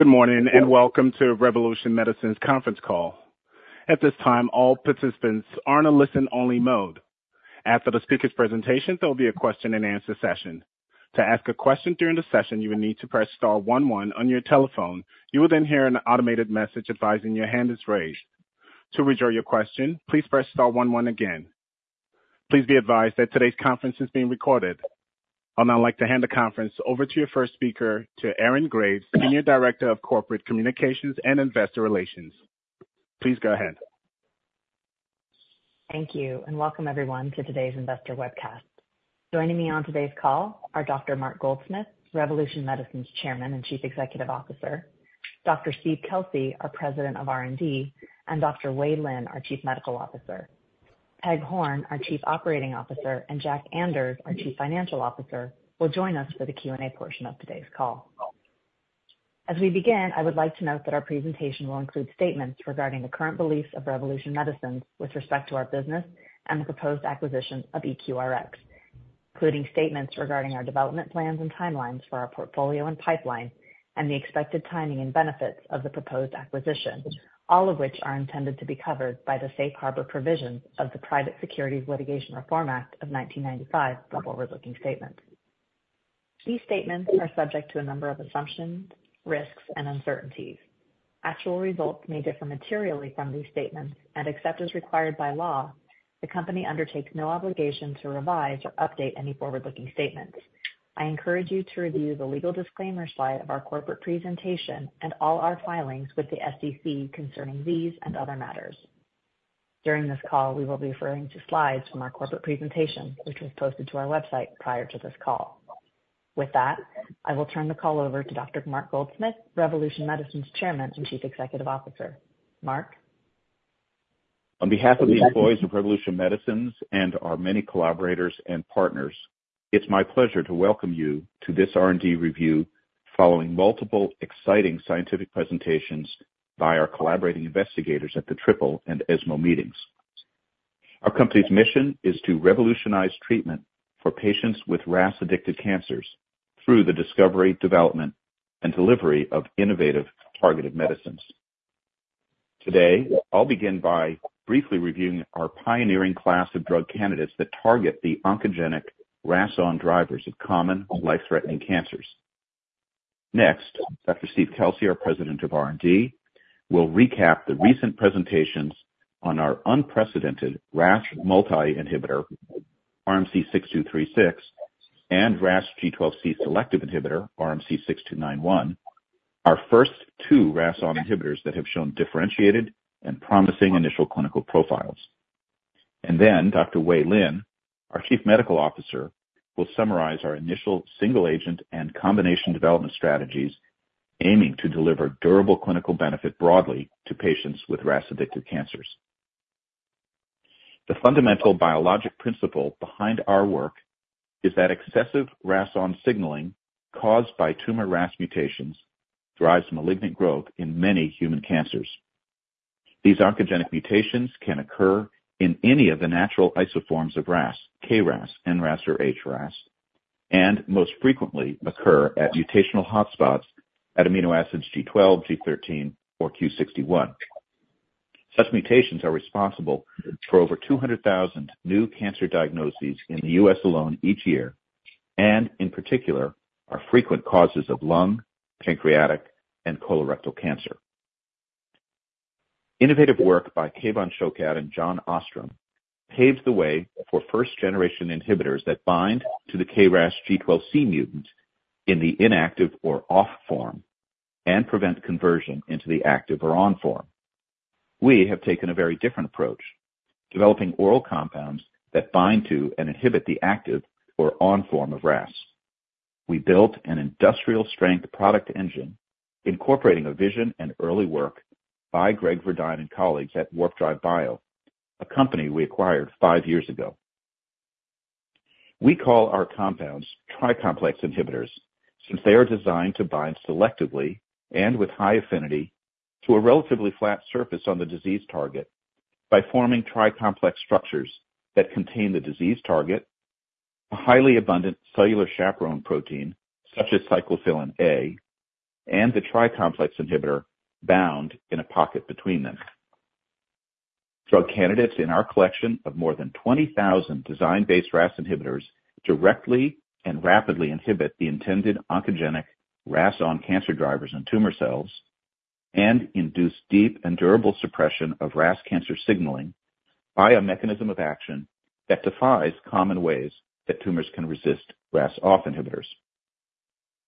Good morning, and welcome to Revolution Medicines' Conference Call. At this time, all participants are in a listen-only mode. After the speaker's presentation, there will be a question-and-answer session. To ask a question during the session, you will need to press star one one on your telephone. You will then hear an automated message advising your hand is raised. To withdraw your question, please press star one one again. Please be advised that today's conference is being recorded. I'd now like to hand the conference over to your first speaker, to Erin Graves, Senior Director of Corporate Communications and Investor Relations. Please go ahead. Thank you, and welcome everyone to today's investor webcast. Joining me on today's call are Dr. Mark Goldsmith, Revolution Medicines Chairman and Chief Executive Officer, Dr. Steve Kelsey, our President of R&D, and Dr. Wei Lin, our Chief Medical Officer. Peg Horn, our Chief Operating Officer, and Jack Anders, our Chief Financial Officer, will join us for the Q&A portion of today's call. As we begin, I would like to note that our presentation will include statements regarding the current beliefs of Revolution Medicines with respect to our business and the proposed acquisition of EQRx, including statements regarding our development plans and timelines for our portfolio and pipeline, and the expected timing and benefits of the proposed acquisition, all of which are intended to be covered by the safe harbor provisions of the Private Securities Litigation Reform Act of 1995, the forward-looking statement. These statements are subject to a number of assumptions, risks, and uncertainties. Actual results may differ materially from these statements, and except as required by law, the company undertakes no obligation to revise or update any forward-looking statements. I encourage you to review the legal disclaimer slide of our corporate presentation and all our filings with the SEC concerning these and other matters. During this call, we will be referring to slides from our corporate presentation, which was posted to our website prior to this call. With that, I will turn the call over to Dr. Mark Goldsmith, Revolution Medicines' Chairman and Chief Executive Officer. Mark? On behalf of the employees of Revolution Medicines and our many collaborators and partners, it's my pleasure to welcome you to this R&D review following multiple exciting scientific presentations by our collaborating investigators at the Triple and ESMO meetings. Our company's mission is to revolutionize treatment for patients with RAS-addicted cancers through the discovery, development, and delivery of innovative targeted medicines. Today, I'll begin by briefly reviewing our pioneering class of drug candidates that target the oncogenic RAS(ON) drivers of common life-threatening cancers. Next, Dr. Steve Kelsey, our President of R&D, will recap the recent presentations on our unprecedented RAS multi inhibitor, RMC-6236, and RAS G12C selective inhibitor, RMC-6291, our first two RAS(ON) inhibitors that have shown differentiated and promising initial clinical profiles. And then Dr. Wei Lin, our Chief Medical Officer, will summarize our initial single agent and combination development strategies, aiming to deliver durable clinical benefit broadly to patients with RAS-addicted cancers. The fundamental biologic principle behind our work is that excessive RAS(ON) signaling, caused by tumor RAS mutations, drives malignant growth in many human cancers. These oncogenic mutations can occur in any of the natural isoforms of RAS, KRAS, NRAS, or HRAS, and most frequently occur at mutational hotspots at amino acids G12, G13, or Q61. Such mutations are responsible for over 200,000 new cancer diagnoses in the U.S. alone each year, and in particular, are frequent causes of lung, pancreatic, and colorectal cancer. Innovative work by Kevan Shokat and John Ostrem paves the way for first-generation inhibitors that bind to the KRAS G12C mutant in the inactive or off form and prevent conversion into the active or on form. We have taken a very different approach, developing oral compounds that bind to and inhibit the active or on form of RAS. We built an industrial-strength product engine, incorporating a vision and early work by Greg Verdine and colleagues at Warp Drive Bio, a company we acquired five years ago. We call our compounds tri-complex inhibitors, since they are designed to bind selectively and with high affinity to a relatively flat surface on the disease target by forming tri-complex structures that contain the disease target, a highly abundant cellular chaperone protein, such as cyclophilin A, and the tri-complex inhibitor bound in a pocket between them. Drug candidates in our collection of more than 20,000 design-based RAS inhibitors directly and rapidly inhibit the intended oncogenic RAS(ON) cancer drivers and tumor cells, and induce deep and durable suppression of RAS cancer signaling by a mechanism of action that defies common ways that tumors can resist RAS(OFF) inhibitors.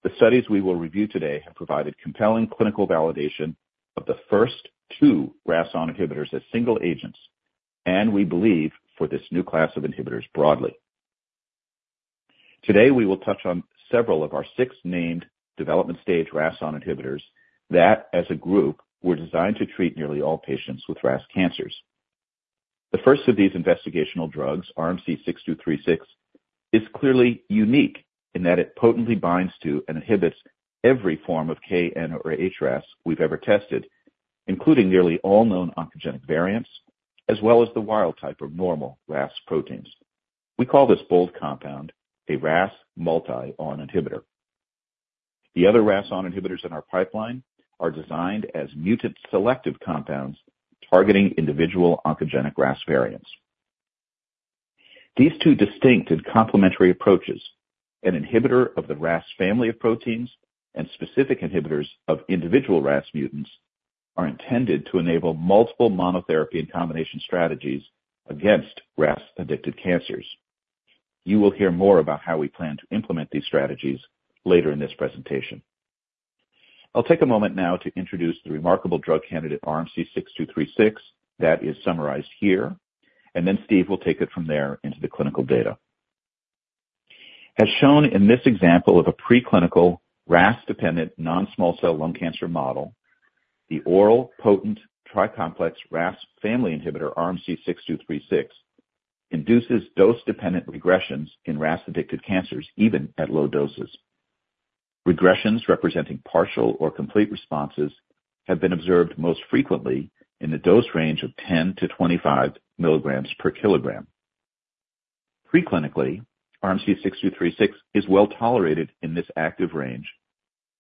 The studies we will review today have provided compelling clinical validation of the first two RAS(ON) inhibitors as single agents, and we believe for this new class of inhibitors broadly. Today, we will touch on several of our six named development-stage RAS(ON) inhibitors that, as a group, were designed to treat nearly all patients with RAS cancers. The first of these investigational drugs, RMC-6236, is clearly unique in that it potently binds to and inhibits every form of K, N, or HRAS we've ever tested, including nearly all known oncogenic variants, as well as the wild type of normal RAS proteins. We call this bold compound a RAS(ON) multi inhibitor. The other RAS(ON) inhibitors in our pipeline are designed as mutant-selective compounds targeting individual oncogenic RAS variants. These two distinct and complementary approaches, an inhibitor of the RAS family of proteins and specific inhibitors of individual RAS mutants, are intended to enable multiple monotherapy and combination strategies against RAS-addicted cancers. You will hear more about how we plan to implement these strategies later in this presentation. I'll take a moment now to introduce the remarkable drug candidate, RMC-6236, that is summarized here, and then Steve will take it from there into the clinical data. As shown in this example of a preclinical RAS-dependent non-small cell lung cancer model, the oral potent tri-complex RAS family inhibitor, RMC-6236, induces dose-dependent regressions in RAS-addicted cancers, even at low doses. Regressions representing partial or complete responses have been observed most frequently in the dose range of 10-25 mg/kg. Preclinically, RMC-6236 is well tolerated in this active range,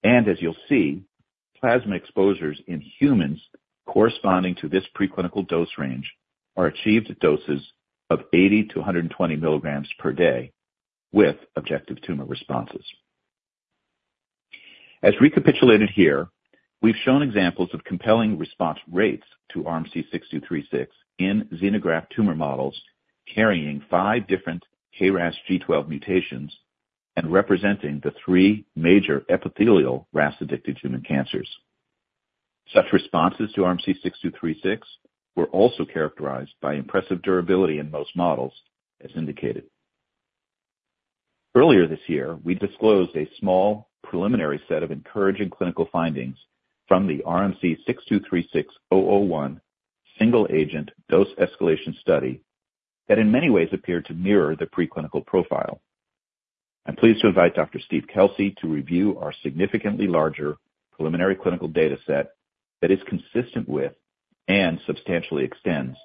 and as you'll see, plasma exposures in humans corresponding to this preclinical dose range are achieved at doses of 80-120 mg/day, with objective tumor responses. As recapitulated here, we've shown examples of compelling response rates to RMC-6236 in xenograft tumor models carrying five different KRAS G12 mutations and representing the three major epithelial RAS-addicted human cancers. Such responses to RMC-6236 were also characterized by impressive durability in most models, as indicated. Earlier this year, we disclosed a small preliminary set of encouraging clinical findings from the RMC-6236-001 single-agent dose escalation study that in many ways appeared to mirror the preclinical profile. I'm pleased to invite Dr. Steve Kelsey to review our significantly larger preliminary clinical data set that is consistent with, and substantially extends,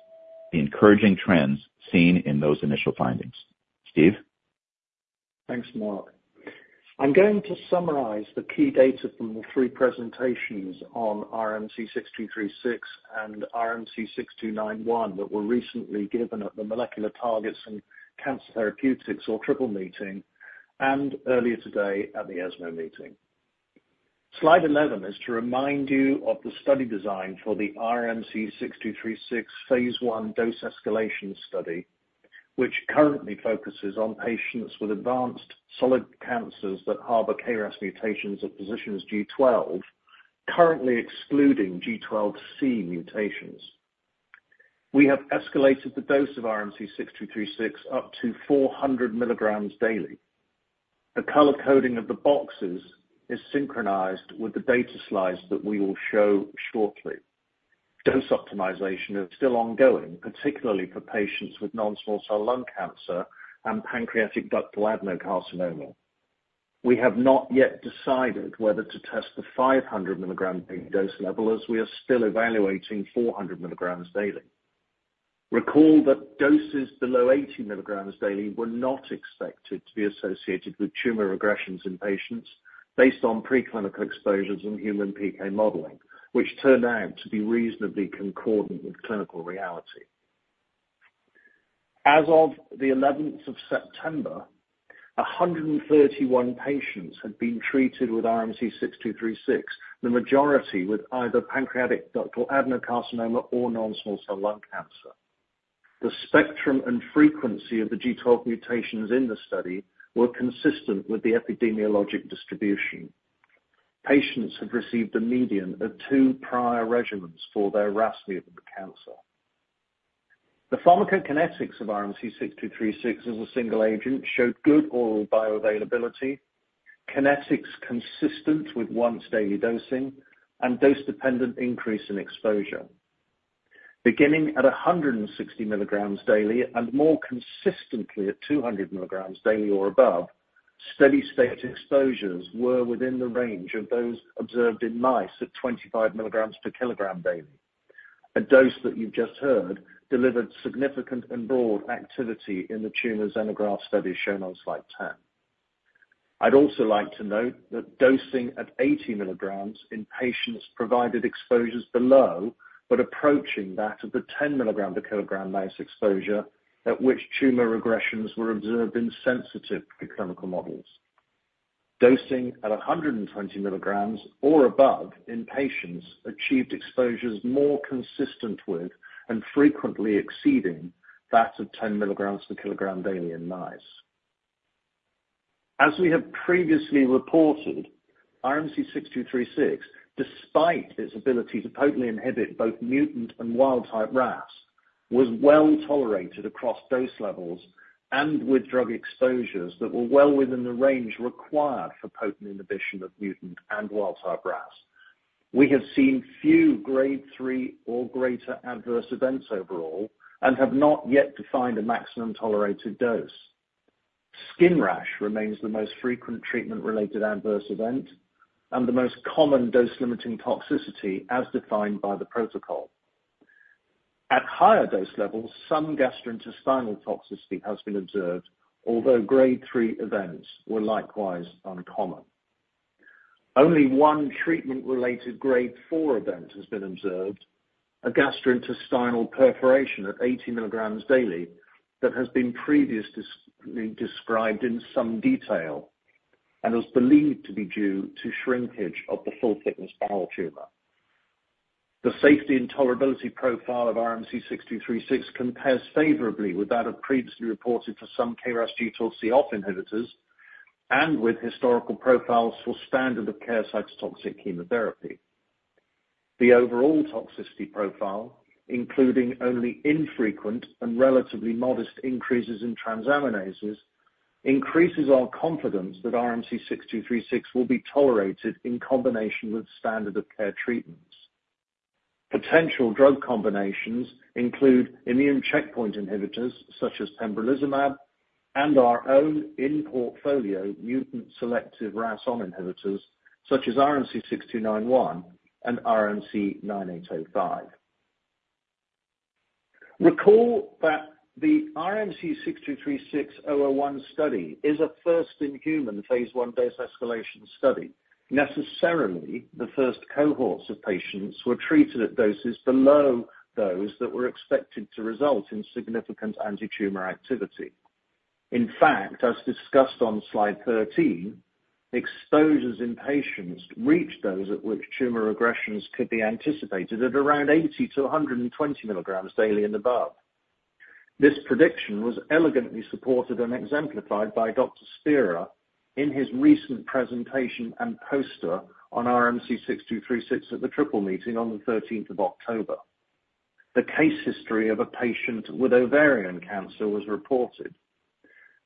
the encouraging trends seen in those initial findings. Steve? Thanks, Mark. I'm going to summarize the key data from the three presentations on RMC-6236 and RMC-6291 that were recently given at the Molecular Targets and Cancer Therapeutics, or Triple meeting, and earlier today at the ESMO meeting. Slide 11 is to remind you of the study design for the RMC-6236 phase I dose escalation study, which currently focuses on patients with advanced solid cancers that harbor KRAS mutations at positions G12, currently excluding G12C mutations. We have escalated the dose of RMC-6236 up to 400 mg daily. The color coding of the boxes is synchronized with the data slides that we will show shortly. Dose optimization is still ongoing, particularly for patients with non-small cell lung cancer and pancreatic ductal adenocarcinoma. We have not yet decided whether to test the 500-milligram dose level, as we are still evaluating 400 milligrams daily. Recall that doses below 80 milligrams daily were not expected to be associated with tumor regressions in patients based on preclinical exposures and human PK modeling, which turned out to be reasonably concordant with clinical reality. As of the eleventh of September, 131 patients had been treated with RMC-6236, the majority with either pancreatic ductal adenocarcinoma or non-small cell lung cancer. The spectrum and frequency of the G12 mutations in the study were consistent with the epidemiologic distribution. Patients have received a median of two prior regimens for their RAS mutant cancer. The pharmacokinetics of RMC-6236 as a single agent showed good oral bioavailability, kinetics consistent with once daily dosing, and dose-dependent increase in exposure. Beginning at 160 mg daily, and more consistently at 200 mg daily or above, steady-state exposures were within the range of those observed in mice at 25 mg/kg daily. A dose that you've just heard delivered significant and broad activity in the tumor xenograft study shown on slide 10. I'd also like to note that dosing at 80 mg in patients provided exposures below, but approaching that of the 10 mg/kg mice exposure, at which tumor regressions were observed in sensitive preclinical models. Dosing at 120 mg or above in patients achieved exposures more consistent with, and frequently exceeding, that of 10 mg/kg daily in mice. As we have previously reported, RMC-6236, despite its ability to potently inhibit both mutant and wild-type RAS, was well tolerated across dose levels and with drug exposures that were well within the range required for potent inhibition of mutant and wild-type RAS. We have seen few Grade 3 or greater adverse events overall and have not yet defined a maximum tolerated dose. Skin rash remains the most frequent treatment-related adverse event and the most common dose-limiting toxicity as defined by the protocol. At higher dose levels, some gastrointestinal toxicity has been observed, although grade 3 events were likewise uncommon. Only one treatment-related grade 4 event has been observed, a gastrointestinal perforation at 80 milligrams daily that has been previously described in some detail and is believed to be due to shrinkage of the full thickness bowel tumor. The safety and tolerability profile of RMC-6236 compares favorably with that of previously reported for some KRAS G12C(OFF) inhibitors and with historical profiles for standard of care cytotoxic chemotherapy. The overall toxicity profile, including only infrequent and relatively modest increases in transaminases, increases our confidence that RMC-6236 will be tolerated in combination with standard of care treatments. Potential drug combinations include immune checkpoint inhibitors, such as pembrolizumab, and our own in-portfolio mutant-selective RAS(ON) inhibitors, such as RMC-6291 and RMC-9805. Recall that the RMC-6236-001 study is a first-in-human phase one dose escalation study. Necessarily, the first cohorts of patients were treated at doses below those that were expected to result in significant antitumor activity. In fact, as discussed on slide 13, exposures in patients reached those at which tumor regressions could be anticipated at around 80-120 milligrams daily and above. This prediction was elegantly supported and exemplified by Dr. Spira in his recent presentation and poster on RMC-6236 at the Triple Meeting on the 13th of October. The case history of a patient with ovarian cancer was reported.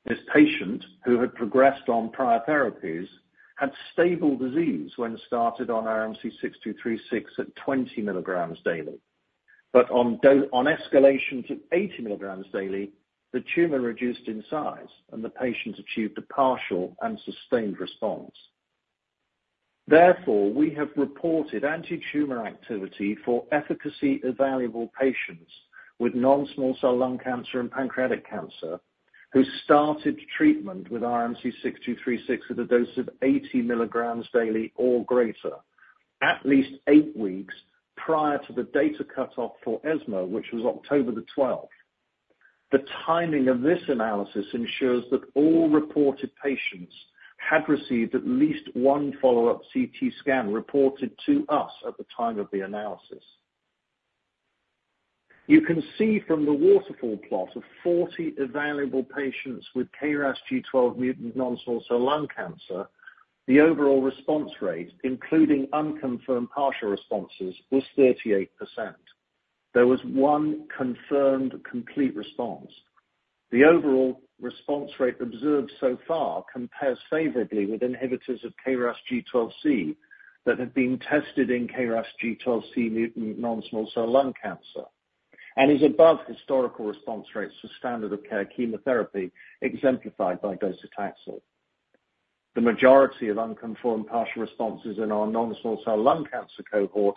This patient, who had progressed on prior therapies, had stable disease when started on RMC-6236 at 20 milligrams daily. But on escalation to 80 milligrams daily, the tumor reduced in size, and the patient achieved a partial and sustained response. Therefore, we have reported antitumor activity for efficacy evaluable patients with non-small cell lung cancer and pancreatic cancer, who started treatment with RMC-6236 at a dose of 80 milligrams daily or greater, at least 8 weeks prior to the data cutoff for ESMO, which was October 12. The timing of this analysis ensures that all reported patients had received at least one follow-up CT scan reported to us at the time of the analysis. You can see from the waterfall plot of 40 evaluable patients with KRAS G12 mutant non-small cell lung cancer, the overall response rate, including unconfirmed partial responses, was 38%. There was one confirmed complete response. The overall response rate observed so far compares favorably with inhibitors of KRAS G12C that have been tested in KRAS G12C mutant non-small cell lung cancer, and is above historical response rates to standard of care chemotherapy, exemplified by docetaxel. The majority of unconfirmed partial responses in our non-small cell lung cancer cohort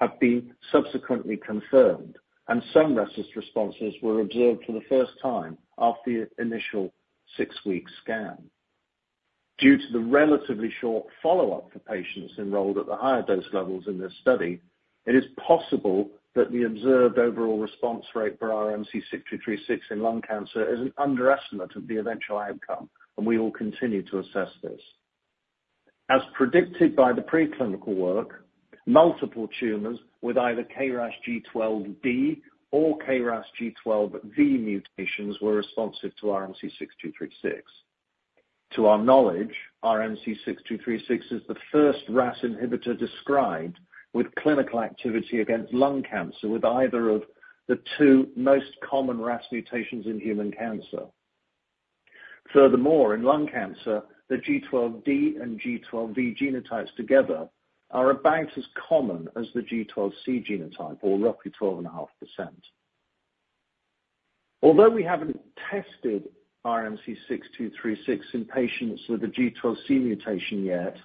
have been subsequently confirmed, and some RECIST responses were observed for the first time after the initial six-week scan. Due to the relatively short follow-up for patients enrolled at the higher dose levels in this study, it is possible that the observed overall response rate for RMC-6236 in lung cancer is an underestimate of the eventual outcome, and we will continue to assess this. As predicted by the preclinical work, multiple tumors with either KRAS G12D or KRAS G12V mutations were responsive to RMC-6236. To our knowledge, RMC-6236 is the first RAS inhibitor described with clinical activity against lung cancer, with either of the two most common RAS mutations in human cancer. Furthermore, in lung cancer, the G12D and G12V genotypes together are about as common as the G12C genotype, or roughly 12.5%. Although we haven't tested RMC-6236 in patients with a G12C mutation yet,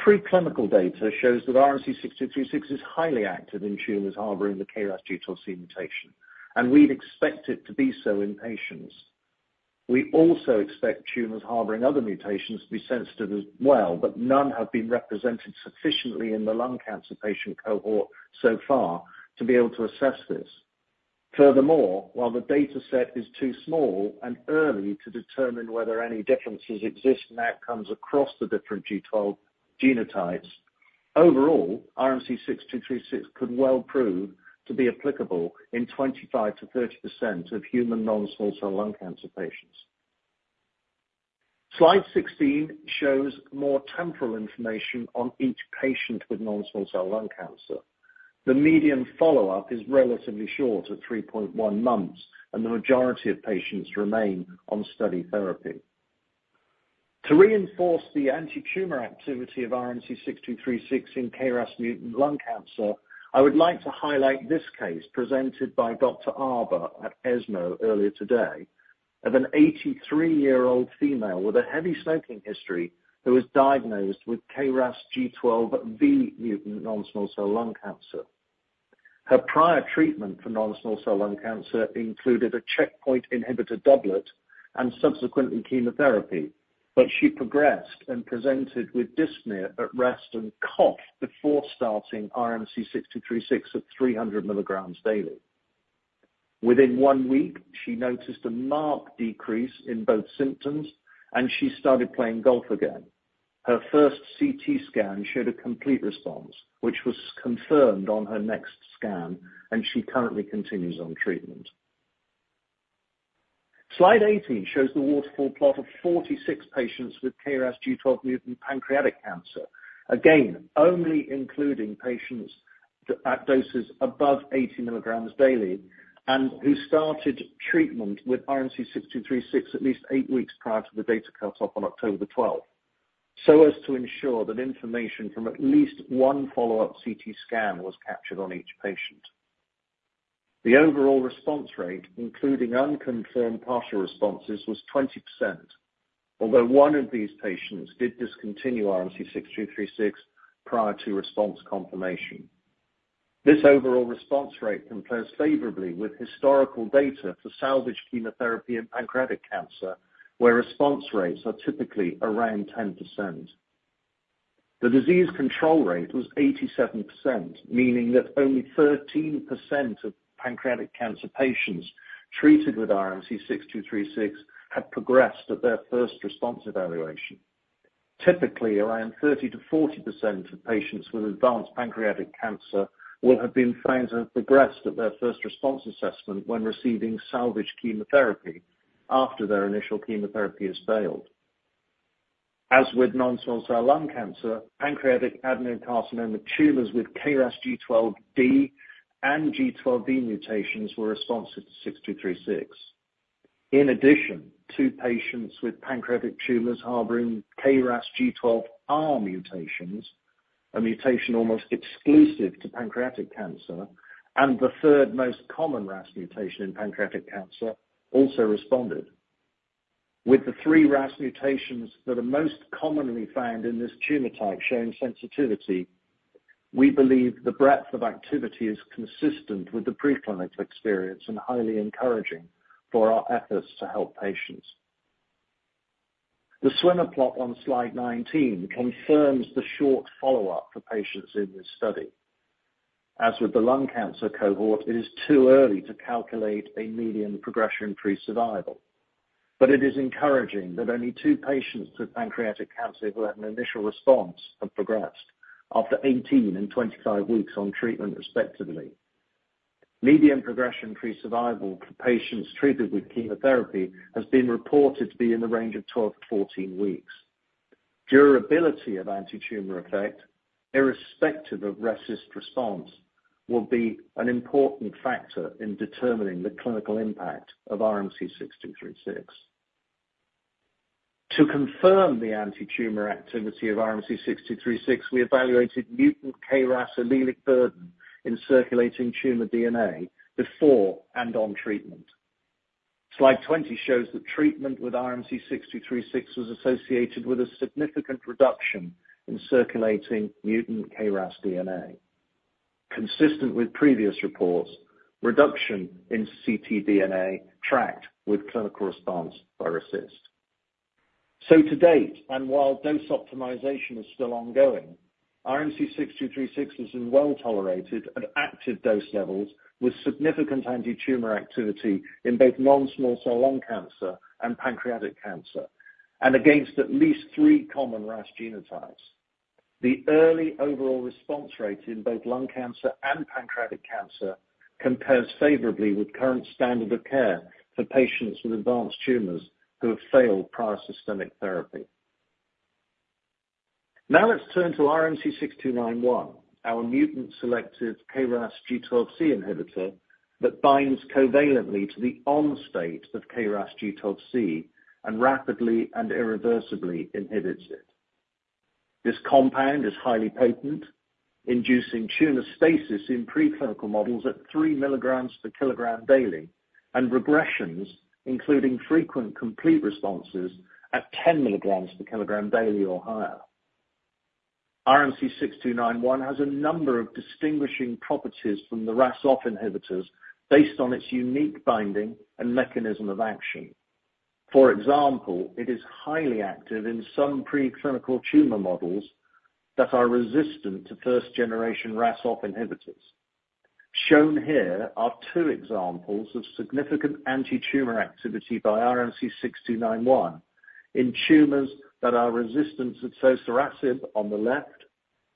preclinical data shows that RMC-6236 is highly active in tumors harboring the KRAS G12C mutation, and we'd expect it to be so in patients. We also expect tumors harboring other mutations to be sensitive as well, but none have been represented sufficiently in the lung cancer patient cohort so far to be able to assess this. Furthermore, while the data set is too small and early to determine whether any differences exist in outcomes across the different G12 genotypes, overall, RMC-6236 could well prove to be applicable in 25 to 30% of human non-small cell lung cancer patients. Slide 16 shows more temporal information on each patient with non-small cell lung cancer. The median follow-up is relatively short at 3.1 months, and the majority of patients remain on study therapy. To reinforce the anti-tumor activity of RMC-6236 in KRAS mutant lung cancer, I would like to highlight this case presented by Dr. Arbour at ESMO earlier today, of an 83-year-old female with a heavy smoking history, who was diagnosed with KRAS G12V mutant non-small cell lung cancer. Her prior treatment for non-small cell lung cancer included a checkpoint inhibitor doublet and subsequently, chemotherapy, but she progressed and presented with dyspnea at rest and cough before starting RMC-6236 at 300 milligrams daily. Within one week, she noticed a marked decrease in both symptoms, and she started playing golf again. Her first CT scan showed a complete response, which was confirmed on her next scan, and she currently continues on treatment. Slide 18 shows the waterfall plot of 46 patients with KRAS G12 mutant pancreatic cancer. Again, only including patients at doses above 80 milligrams daily, and who started treatment with RMC-6236 at least 8 weeks prior to the data cutoff on October 12, so as to ensure that information from at least one follow-up CT scan was captured on each patient. The overall response rate, including unconfirmed partial responses, was 20%, although one of these patients did discontinue RMC-6236 prior to response confirmation. This overall response rate compares favorably with historical data for salvage chemotherapy in pancreatic cancer, where response rates are typically around 10%. The disease control rate was 87%, meaning that only 13% of pancreatic cancer patients treated with RMC-6236 had progressed at their first response evaluation. Typically, around 30 to 40% of patients with advanced pancreatic cancer will have been found to have progressed at their first response assessment when receiving salvage chemotherapy, after their initial chemotherapy has failed. As with non-small cell lung cancer, pancreatic adenocarcinoma tumors with KRAS G12D and G12E mutations were responsive to RMC-6236. In addition, two patients with pancreatic tumors harboring KRAS G12R mutations, a mutation almost exclusive to pancreatic cancer, and the third most common RAS mutation in pancreatic cancer, also responded. With the three RAS mutations that are most commonly found in this tumor type showing sensitivity, we believe the breadth of activity is consistent with the preclinical experience and highly encouraging for our efforts to help patients. The swimmer plot on slide 19 confirms the short follow-up for patients in this study. As with the lung cancer cohort, it is too early to calculate a median progression-free survival, but it is encouraging that only two patients with pancreatic cancer who had an initial response have progressed after 18 and 25 weeks on treatment, respectively. Median progression-free survival for patients treated with chemotherapy has been reported to be in the range of 12-14 weeks. Durability of anti-tumor effect, irrespective of RECIST response, will be an important factor in determining the clinical impact of RMC-6236. To confirm the anti-tumor activity of RMC-6236, we evaluated mutant KRAS allelic burden in circulating tumor DNA before and on treatment. Slide 20 shows that treatment with RMC-6236 was associated with a significant reduction in circulating mutant KRAS DNA. Consistent with previous reports, reduction in ctDNA tracked with clinical response by RECIST. So to date, and while dose optimization is still ongoing, RMC-6236 is well-tolerated at active dose levels with significant anti-tumor activity in both non-small cell lung cancer and pancreatic cancer, and against at least three common RAS genotypes. The early overall response rate in both lung cancer and pancreatic cancer compares favorably with current standard of care for patients with advanced tumors who have failed prior systemic therapy. Now, let's turn to RMC-6291, our mutant-selective KRAS G12C inhibitor that binds covalently to the ON state of KRAS G12C and rapidly and irreversibly inhibits it. This compound is highly potent, inducing tumor stasis in preclinical models at 3 milligrams per kilogram daily, and regressions, including frequent complete responses at 10 milligrams per kilogram daily or higher. RMC-6291 has a number of distinguishing properties from the RAS(ON) inhibitors based on its unique binding and mechanism of action. For example, it is highly active in some preclinical tumor models that are resistant to first-generation RAS(OFF) inhibitors. Shown here are two examples of significant anti-tumor activity by RMC-6291 in tumors that are resistant to sotorasib on the left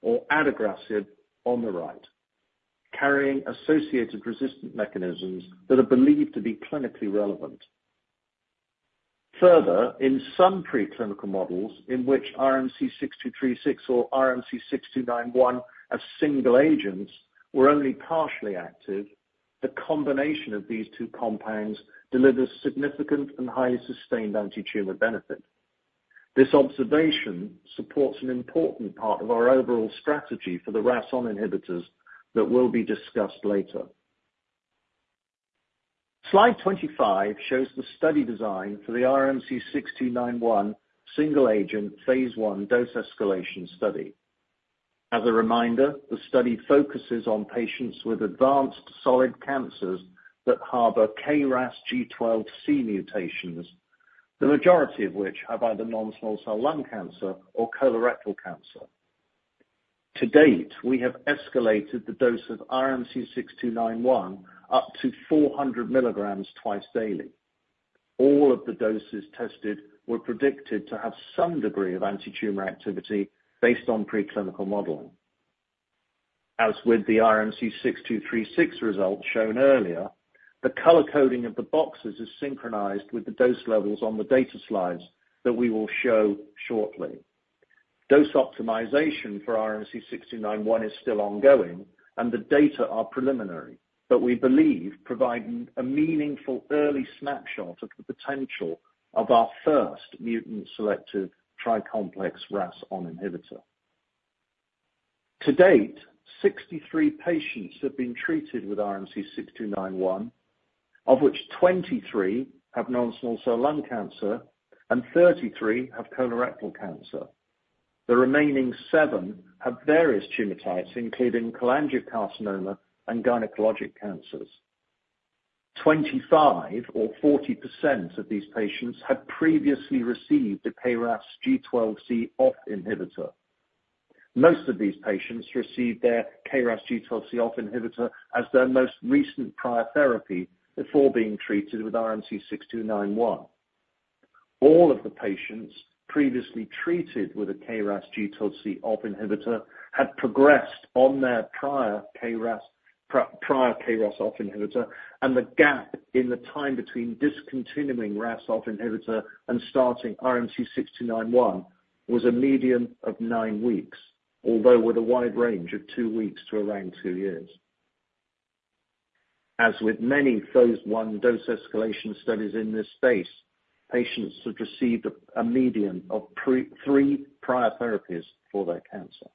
or adagrasib on the right, carrying associated resistant mechanisms that are believed to be clinically relevant. Further, in some preclinical models in which RMC-6236 or RMC-6291 as single agents were only partially active-... The combination of these two compounds delivers significant and highly sustained antitumor benefit. This observation supports an important part of our overall strategy for the RAS on inhibitors that will be discussed later. Slide 25 shows the study design for the RMC-6291 single-agent phase 1 dose escalation study. As a reminder, the study focuses on patients with advanced solid cancers that harbor KRAS G12C mutations, the majority of which have either non-small cell lung cancer or colorectal cancer. To date, we have escalated the dose of RMC-6291 up to 400 milligrams twice daily. All of the doses tested were predicted to have some degree of antitumor activity based on preclinical modeling. As with the RMC-6236 results shown earlier, the color coding of the boxes is synchronized with the dose levels on the data slides that we will show shortly. Dose optimization for RMC-6291 is still ongoing and the data are preliminary, but we believe provide a meaningful early snapshot of the potential of our first mutant-selective tri-complex RAS(ON) inhibitor. To date, 63 patients have been treated with RMC-6291, of which 23 have non-small cell lung cancer and 33 have colorectal cancer. The remaining 7 have various tumor types, including cholangiocarcinoma and gynecologic cancers. 25 or 40% of these patients had previously received a KRAS G12C OFF inhibitor. Most of these patients received their KRAS G12C OFF inhibitor as their most recent prior therapy before being treated with RMC-6291. All of the patients previously treated with a KRAS G12C OFF inhibitor had progressed on their prior KRAS OFF inhibitor, and the gap in the time between discontinuing RAS(OFF) inhibitor and starting RMC-6291 was a median of 9 weeks, although with a wide range of 2 weeks to around 2 years. As with many phase 1 dose escalation studies in this space, patients have received a median of three prior therapies for their cancer.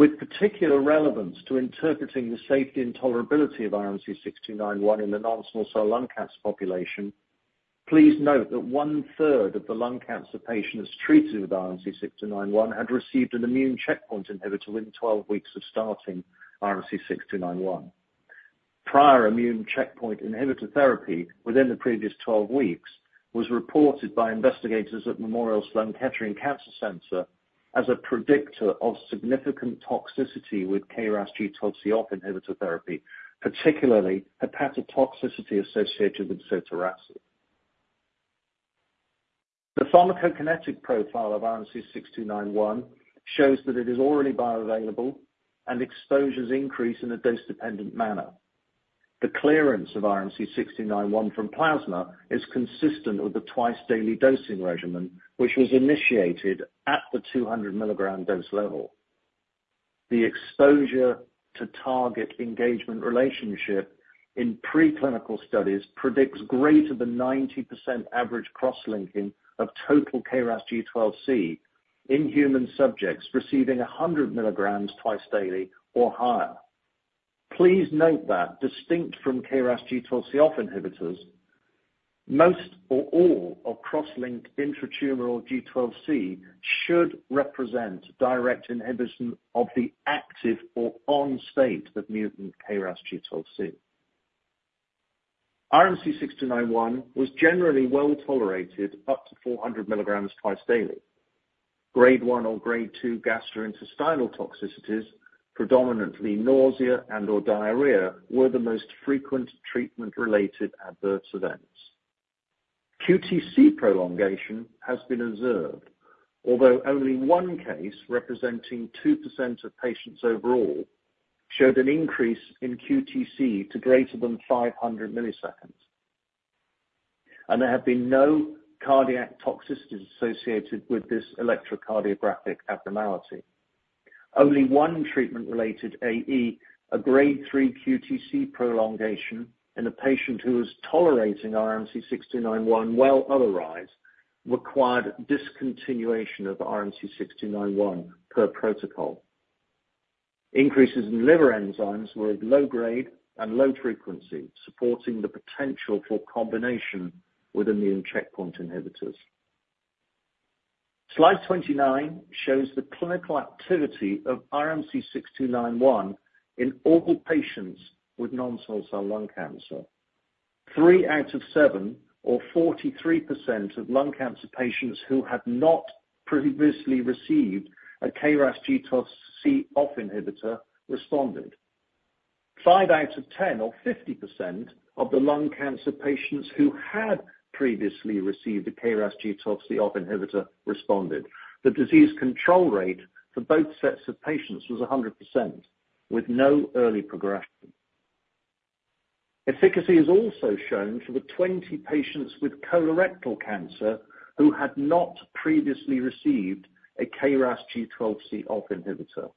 With particular relevance to interpreting the safety and tolerability of RMC-6291 in the non-small cell lung cancer population, please note that one-third of the lung cancer patients treated with RMC-6291 had received an immune checkpoint inhibitor within 12 weeks of starting RMC-6291. Prior immune checkpoint inhibitor therapy within the previous 12 weeks was reported by investigators at Memorial Sloan Kettering Cancer Center as a predictor of significant toxicity with KRAS G12C OFF inhibitor therapy, particularly hepatotoxicity associated with Sotorasib. The pharmacokinetic profile of RMC-6291 shows that it is already bioavailable and exposures increase in a dose-dependent manner. The clearance of RMC-6291 from plasma is consistent with the twice-daily dosing regimen, which was initiated at the 200 milligram dose level. The exposure to target engagement relationship in preclinical studies predicts greater than 90% average cross-linking of total KRAS G12C in human subjects receiving 100 milligrams twice daily or higher. Please note that distinct from KRAS G12C OFF inhibitors, most or all of cross-linked intratumoral G12C should represent direct inhibition of the active or ON state of mutant KRAS G12C. RMC-6291 was generally well tolerated up to 400 milligrams twice daily. Grade 1 or Grade 2 gastrointestinal toxicities, predominantly nausea and/or diarrhea, were the most frequent treatment-related adverse events. QTc prolongation has been observed, although only one case, representing 2% of patients overall, showed an increase in QTc to greater than 500 milliseconds, and there have been no cardiac toxicities associated with this electrocardiographic abnormality. Only one treatment-related AE, a Grade 3 QTc prolongation in a patient who was tolerating RMC-6291 well otherwise, required discontinuation of RMC-6291 per protocol. Increases in liver enzymes were of low grade and low frequency, supporting the potential for combination with immune checkpoint inhibitors. Slide 29 shows the clinical activity of RMC-6291 in all patients with non-small cell lung cancer. 3 out of 7, or 43%, of lung cancer patients who had not previously received a KRAS G12C OFF inhibitor responded. 5 out of 10, or 50%, of the lung cancer patients who had previously received a KRAS G12C OFF inhibitor responded. The disease control rate for both sets of patients was 100%, with no early progression. Efficacy is also shown for the 20 patients with colorectal cancer who had not previously received a KRAS G12C OFF inhibitor.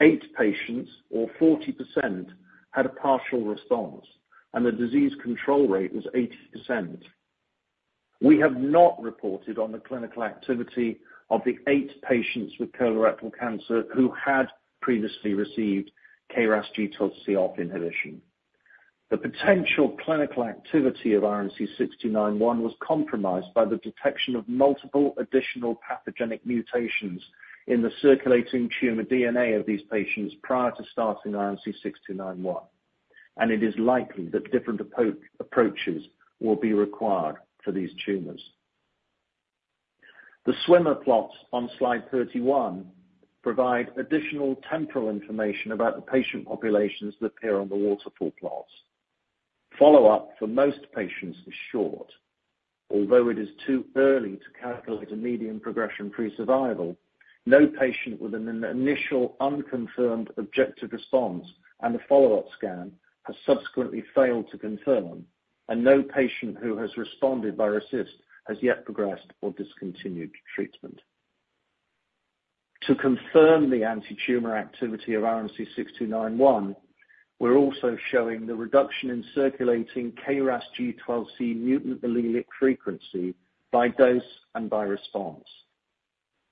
8 patients, or 40%, had a partial response, and the disease control rate was 80%. We have not reported on the clinical activity of the 8 patients with colorectal cancer who had previously received KRAS G12C OFF inhibition. The potential clinical activity of RMC-6291 was compromised by the detection of multiple additional pathogenic mutations in the circulating tumor DNA of these patients prior to starting RMC-6291, and it is likely that different approaches will be required for these tumors. The swimmer plots on slide 31 provide additional temporal information about the patient populations that appear on the waterfall plots. Follow-up for most patients is short. Although it is too early to calculate a median progression-free survival, no patient with an initial unconfirmed objective response and a follow-up scan has subsequently failed to confirm, and no patient who has responded by RECIST has yet progressed or discontinued treatment. To confirm the antitumor activity of RMC-6291, we're also showing the reduction in circulating KRAS G12C mutant allelic frequency by dose and by response.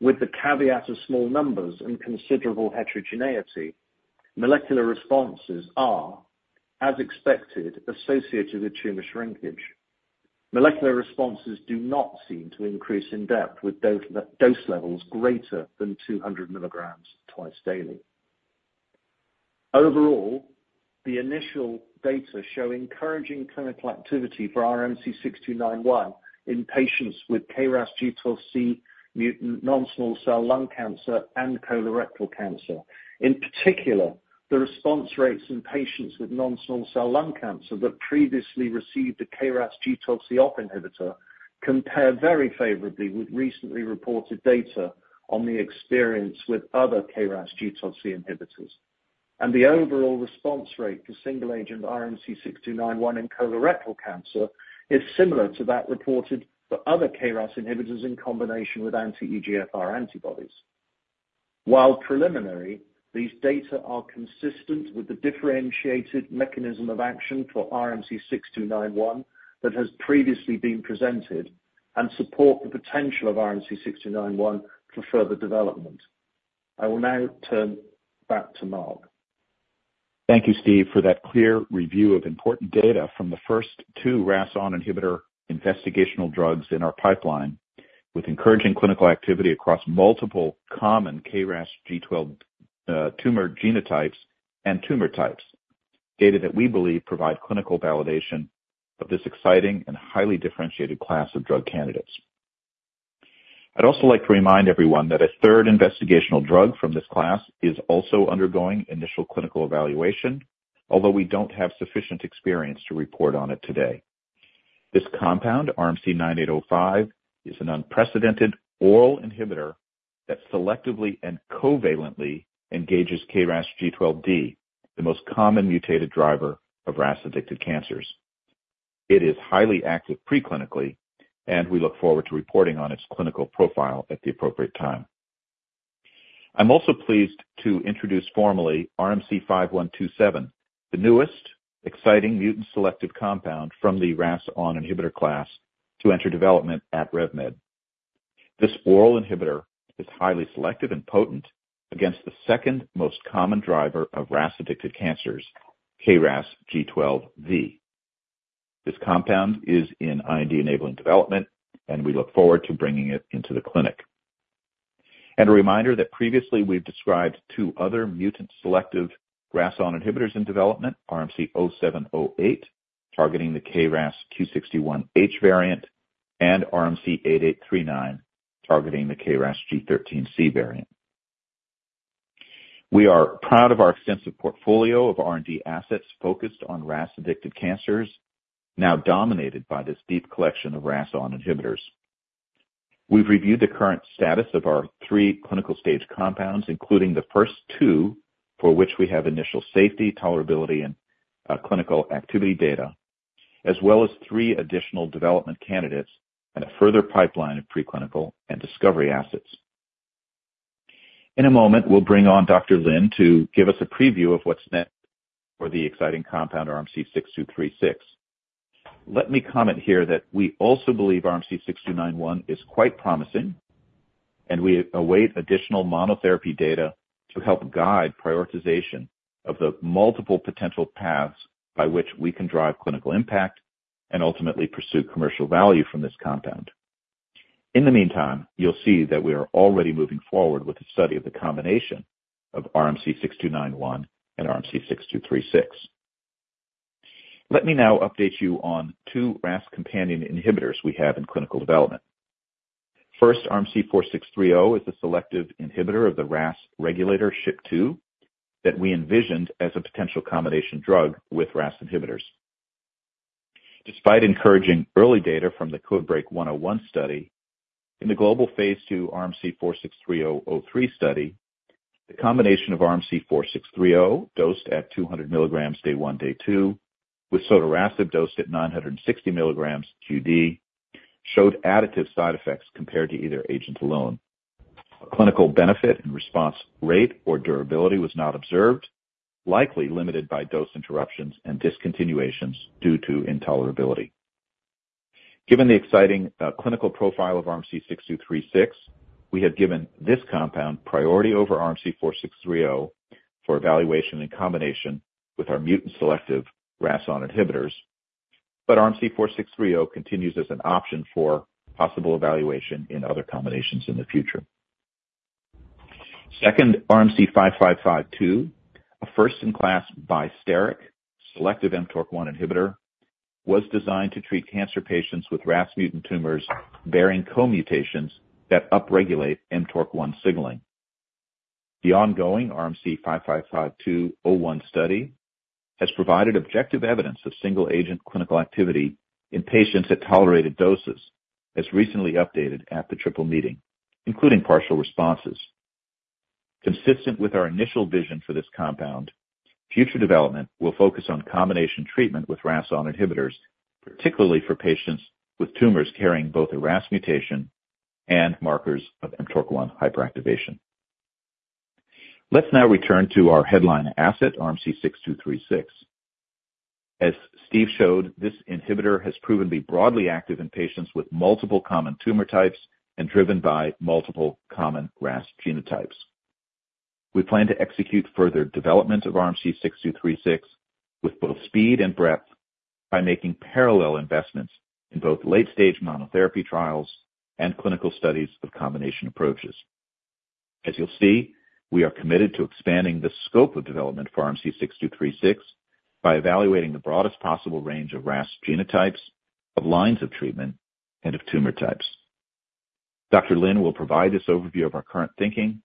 With the caveat of small numbers and considerable heterogeneity, molecular responses are, as expected, associated with tumor shrinkage. Molecular responses do not seem to increase in depth with dose, dose levels greater than 200 milligrams twice daily. Overall, the initial data show encouraging clinical activity for RMC-6291 in patients with KRAS G12C mutant non-small cell lung cancer and colorectal cancer. In particular, the response rates in patients with non-small cell lung cancer that previously received a KRAS G12C off inhibitor compare very favorably with recently reported data on the experience with other KRAS G12C inhibitors. The overall response rate for single-agent RMC-6291 in colorectal cancer is similar to that reported for other KRAS inhibitors in combination with anti-EGFR antibodies. While preliminary, these data are consistent with the differentiated mechanism of action for RMC-6291 that has previously been presented and support the potential of RMC-6291 for further development. I will now turn back to Mark. Thank you, Steve, for that clear review of important data from the first two RAS(ON) inhibitor investigational drugs in our pipeline, with encouraging clinical activity across multiple common KRAS G12 tumor genotypes and tumor types, data that we believe provide clinical validation of this exciting and highly differentiated class of drug candidates. I'd also like to remind everyone that a third investigational drug from this class is also undergoing initial clinical evaluation, although we don't have sufficient experience to report on it today. This compound, RMC-9805, is an unprecedented oral inhibitor that selectively and covalently engages KRAS G12D, the most common mutated driver of RAS-addicted cancers. It is highly active preclinically, and we look forward to reporting on its clinical profile at the appropriate time. I'm also pleased to introduce formally RMC-5127, the newest exciting mutant-selective compound from the RAS(ON) inhibitor class to enter development at RevMed. This oral inhibitor is highly selective and potent against the second most common driver of RAS-addicted cancers, KRAS G12V. This compound is in IND-enabling development, and we look forward to bringing it into the clinic. A reminder that previously we've described two other mutant-selective RAS(ON) inhibitors in development, RMC-0708, targeting the KRAS Q61H variant, and RMC-8839, targeting the KRAS G13C variant. We are proud of our extensive portfolio of R&D assets focused on RAS-addicted cancers, now dominated by this deep collection of RAS(ON) inhibitors. We've reviewed the current status of our three clinical stage compounds, including the first two for which we have initial safety, tolerability, and clinical activity data, as well as three additional development candidates and a further pipeline of preclinical and discovery assets. In a moment, we'll bring on Dr. Wei Lin to give us a preview of what's next for the exciting compound, RMC-6236. Let me comment here that we also believe RMC-6291 is quite promising, and we await additional monotherapy data to help guide prioritization of the multiple potential paths by which we can drive clinical impact and ultimately pursue commercial value from this compound. In the meantime, you'll see that we are already moving forward with the study of the combination of RMC-6291 and RMC-6236. Let me now update you on two RAS companion inhibitors we have in clinical development. First, RMC-4630 is a selective inhibitor of the RAS regulator SHP2 that we envisioned as a potential combination drug with RAS inhibitors. Despite encouraging early data from the CodeBreaK 101 study, in the global phase 2 RMC-4630-03 study, the combination of RMC-4630, dosed at 200 mg day one, day two, with sotorasib dosed at 960 mg QD, showed additive side effects compared to either agent alone. A clinical benefit in response rate or durability was not observed, likely limited by dose interruptions and discontinuations due to intolerability. Given the exciting clinical profile of RMC-6236, we have given this compound priority over RMC-4630 for evaluation in combination with our mutant-selective RAS(ON) inhibitors, but RMC-4630 continues as an option for possible evaluation in other combinations in the future. Second, RMC-5552, a first-in-class bi-steric selective mTORC1 inhibitor, was designed to treat cancer patients with RAS mutant tumors bearing co-mutations that upregulate mTORC1 signaling. The ongoing RMC-5552-01 study has provided objective evidence of single-agent clinical activity in patients at tolerated doses, as recently updated at the Triple Meeting, including partial responses. Consistent with our initial vision for this compound, future development will focus on combination treatment with RAS(ON) inhibitors, particularly for patients with tumors carrying both a RAS mutation and markers of mTORC1 hyperactivation. Let's now return to our headline asset, RMC-6236. As Steve showed, this inhibitor has proven to be broadly active in patients with multiple common tumor types and driven by multiple common RAS genotypes. We plan to execute further development of RMC-6236, with both speed and breadth, by making parallel investments in both late-stage monotherapy trials and clinical studies of combination approaches. As you'll see, we are committed to expanding the scope of development for RMC-6236, by evaluating the broadest possible range of RAS genotypes, of lines of treatment, and of tumor types. Dr. Lin will provide this overview of our current thinking,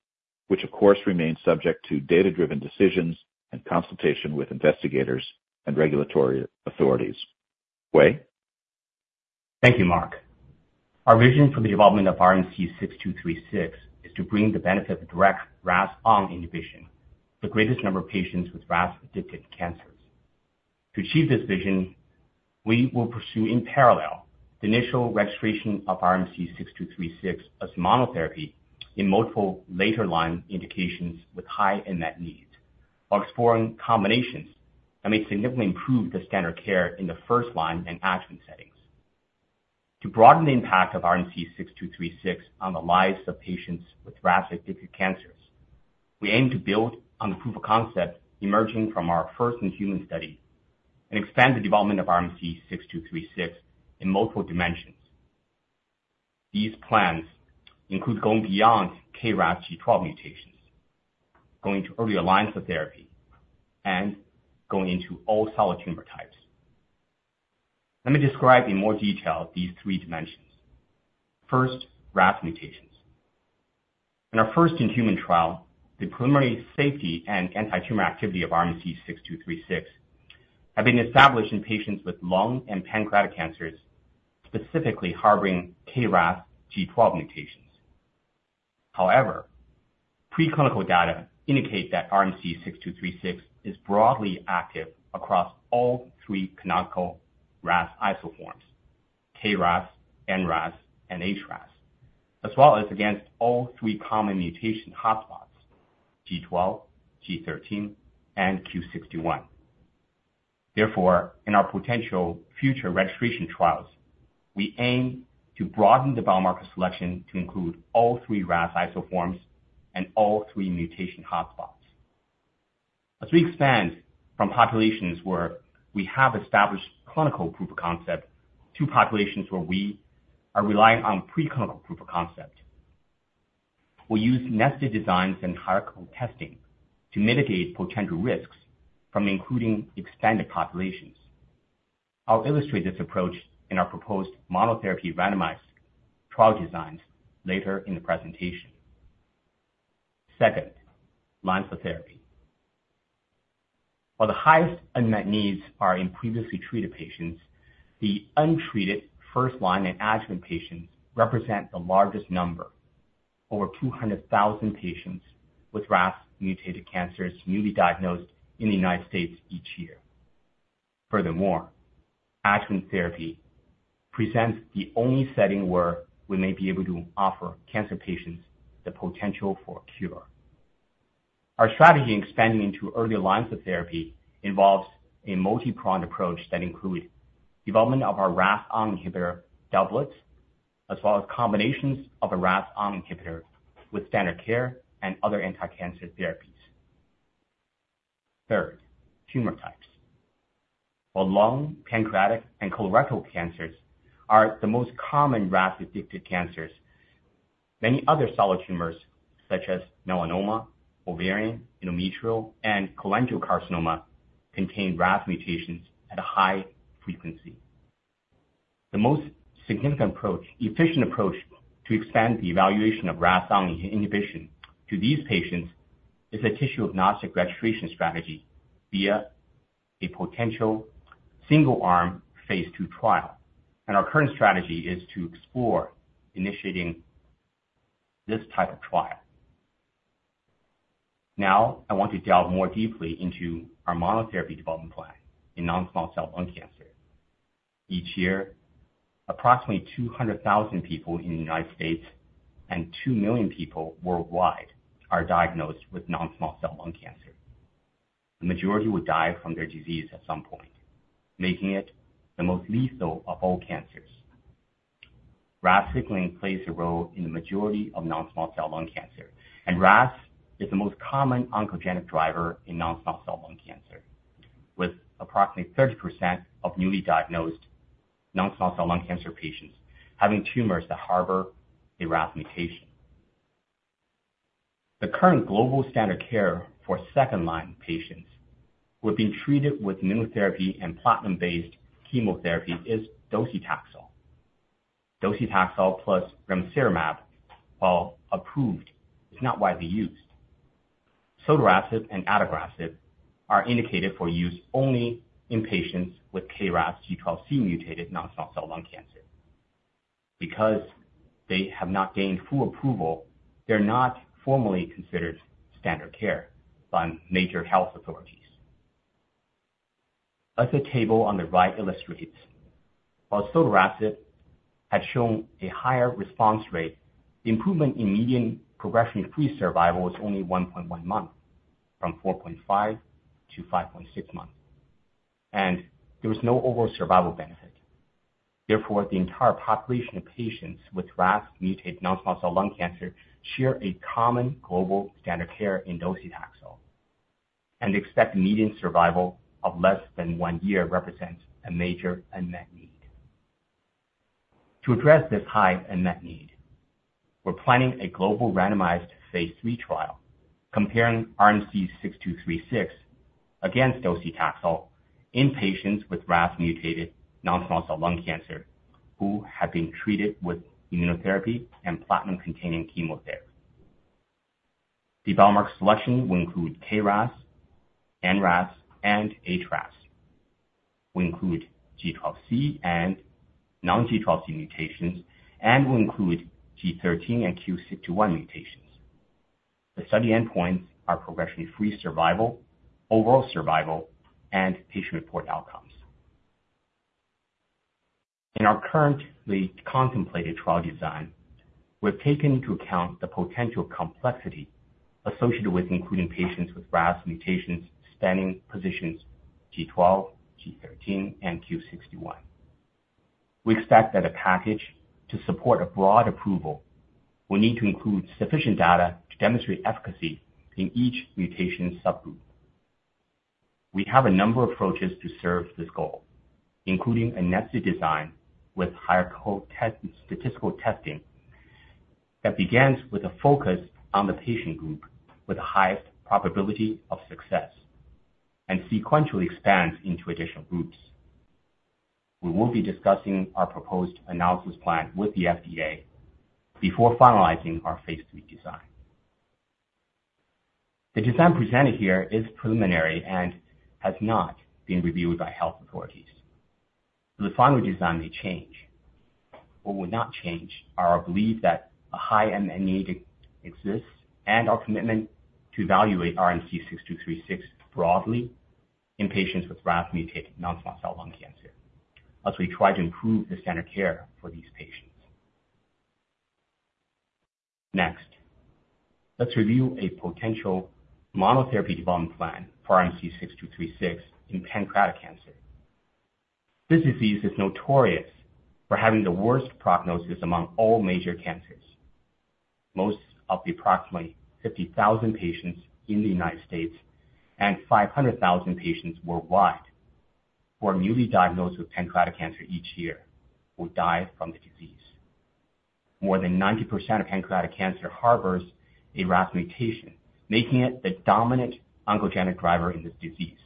which of course, remains subject to data-driven decisions and consultation with investigators and regulatory authorities. Wei? Thank you, Mark. Our vision for the development of RMC-6236 is to bring the benefit of direct RAS(ON) inhibition, the greatest number of patients with RAS-addicted cancers. To achieve this vision, we will pursue in parallel the initial registration of RMC-6236 as monotherapy in multiple later line indications with high unmet need, while exploring combinations that may significantly improve the standard of care in the first line and adjuvant settings. To broaden the impact of RMC-6236 on the lives of patients with RAS-addicted cancers, we aim to build on the proof of concept emerging from our first-in-human study and expand the development of RMC-6236 in multiple dimensions. These plans include going beyond KRAS G12 mutations, going to earlier lines of therapy, and going into all solid tumor types. Let me describe in more detail these three dimensions. First, RAS mutations. In our first-in-human trial, the preliminary safety and antitumor activity of RMC-6236 have been established in patients with lung and pancreatic cancers, specifically harboring KRAS G12 mutations. However, preclinical data indicate that RMC-6236 is broadly active across all three canonical RAS isoforms, KRAS, NRAS, and HRAS, as well as against all three common mutation hotspots, G12, G13, and Q61. Therefore, in our potential future registration trials, we aim to broaden the biomarker selection to include all three RAS isoforms and all three mutation hotspots. As we expand from populations where we have established clinical proof of concept to populations where we are relying on preclinical proof of concept, we use nested designs and hierarchical testing to mitigate potential risks from including expanded populations. I'll illustrate this approach in our proposed monotherapy randomized trial designs later in the presentation. Second, lines of therapy. While the highest unmet needs are in previously treated patients, the untreated first-line and adjuvant patients represent the largest number, over 200,000 patients with RAS-mutated cancers newly diagnosed in the United States each year. Furthermore, adjuvant therapy presents the only setting where we may be able to offer cancer patients the potential for a cure. Our strategy in expanding into early lines of therapy involves a multi-pronged approach that includes development of our RAS(ON) inhibitor doublets, as well as combinations of a RAS(ON) inhibitor with standard care and other anticancer therapies. Third, tumor types. While lung, pancreatic, and colorectal cancers are the most common RAS-addicted cancers, many other solid tumors, such as melanoma, ovarian, endometrial, and cholangiocarcinoma, contain RAS mutations at a high frequency.... The most significant approach, efficient approach to expand the evaluation of RAS(ON) inhibition to these patients is a tissue-agnostic registration strategy via a potential single-arm phase 2 trial, and our current strategy is to explore initiating this type of trial. Now, I want to delve more deeply into our monotherapy development plan in non-small cell lung cancer. Each year, approximately 200,000 people in the United States and 2,000,000 people worldwide are diagnosed with non-small cell lung cancer. The majority will die from their disease at some point, making it the most lethal of all cancers. RAS signaling plays a role in the majority of non-small cell lung cancer, and RAS is the most common oncogenic driver in non-small cell lung cancer, with approximately 30% of newly diagnosed non-small cell lung cancer patients having tumors that harbor a RAS mutation. The current global standard care for second-line patients who are being treated with immunotherapy and platinum-based chemotherapy is docetaxel. Docetaxel plus ramucirumab, while approved, is not widely used. Sotorasib and adagrasib are indicated for use only in patients with KRAS G12C mutated non-small cell lung cancer. Because they have not gained full approval, they're not formally considered standard care by major health authorities. As the table on the right illustrates, while sotorasib has shown a higher response rate, improvement in median progression-free survival is only 1.1 months, from 4.5 to 5.6 months, and there was no overall survival benefit. Therefore, the entire population of patients with RAS mutated non-small cell lung cancer share a common global standard of care in docetaxel, and expect median survival of less than one year represents a major unmet need. To address this high unmet need, we're planning a global randomized Phase 3 trial comparing RMC-6236 against docetaxel in patients with RAS mutated non-small cell lung cancer who have been treated with immunotherapy and platinum-containing chemotherapy. The biomarker selection will include KRAS, NRAS, and HRAS. We include G12C and non-G12C mutations, and we'll include G13 and Q61 mutations. The study endpoints are progression-free survival, overall survival, and patient-reported outcomes. In our currently contemplated trial design, we've taken into account the potential complexity associated with including patients with RAS mutations spanning positions G12, G13, and Q61. We expect that a package to support a broad approval will need to include sufficient data to demonstrate efficacy in each mutation subgroup. We have a number of approaches to serve this goal, including a nested design with hierarchical statistical testing that begins with a focus on the patient group with the highest probability of success and sequentially expands into additional groups. We will be discussing our proposed analysis plan with the FDA before finalizing our phase 3 design. The design presented here is preliminary and has not been reviewed by health authorities, so the final design may change. What will not change are our belief that a high unmet need exists, and our commitment to evaluate RMC-6236 broadly in patients with RAS mutated non-small cell lung cancer, as we try to improve the standard of care for these patients. Next, let's review a potential monotherapy development plan for RMC-6236 in pancreatic cancer. This disease is notorious for having the worst prognosis among all major cancers. Most of the approximately 50,000 patients in the United States and 500,000 patients worldwide, who are newly diagnosed with pancreatic cancer each year, will die from the disease. More than 90% of pancreatic cancer harbors a RAS mutation, making it the dominant oncogenic driver in this disease.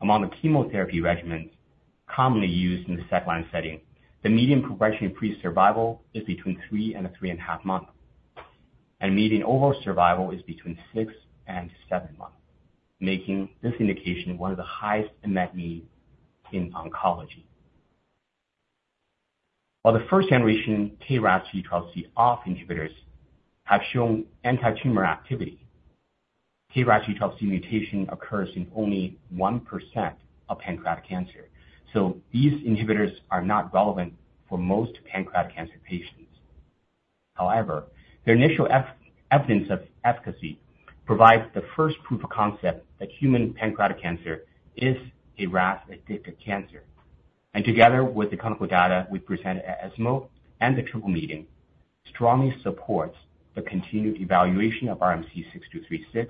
Among the chemotherapy regimens commonly used in the second-line setting, the median progression-free survival is between 3 and 3.5 months, and median overall survival is between 6 and 7 months, making this indication one of the highest unmet need in oncology. While the first generation KRAS G12C off inhibitors have shown antitumor activity, KRAS G12C mutation occurs in only 1% of pancreatic cancer, so these inhibitors are not relevant for most pancreatic cancer patients. However, their initial evidence of efficacy provides the first proof of concept that human pancreatic cancer is a RAS-addicted cancer, and together with the clinical data we presented at ESMO and the Triple Meeting, strongly supports the continued evaluation of RMC-6236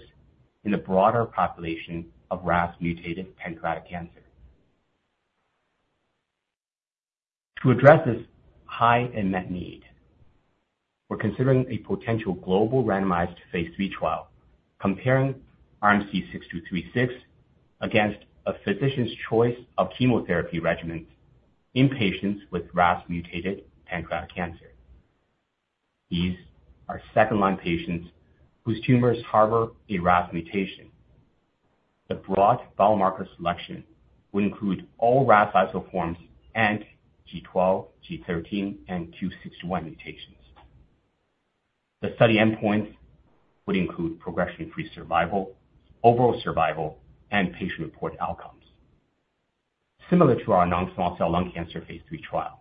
in the broader population of RAS-mutated pancreatic cancer. To address this high unmet need-... We're considering a potential global randomized phase 3 trial, comparing RMC-6236 against a physician's choice of chemotherapy regimens in patients with RAS mutated pancreatic cancer. These are second-line patients whose tumors harbor a RAS mutation. The broad biomarker selection will include all RAS isoforms and G12, G13, and Q61 mutations. The study endpoints would include progression-free survival, overall survival, and patient-reported outcomes. Similar to our non-small cell lung cancer phase 3 trial,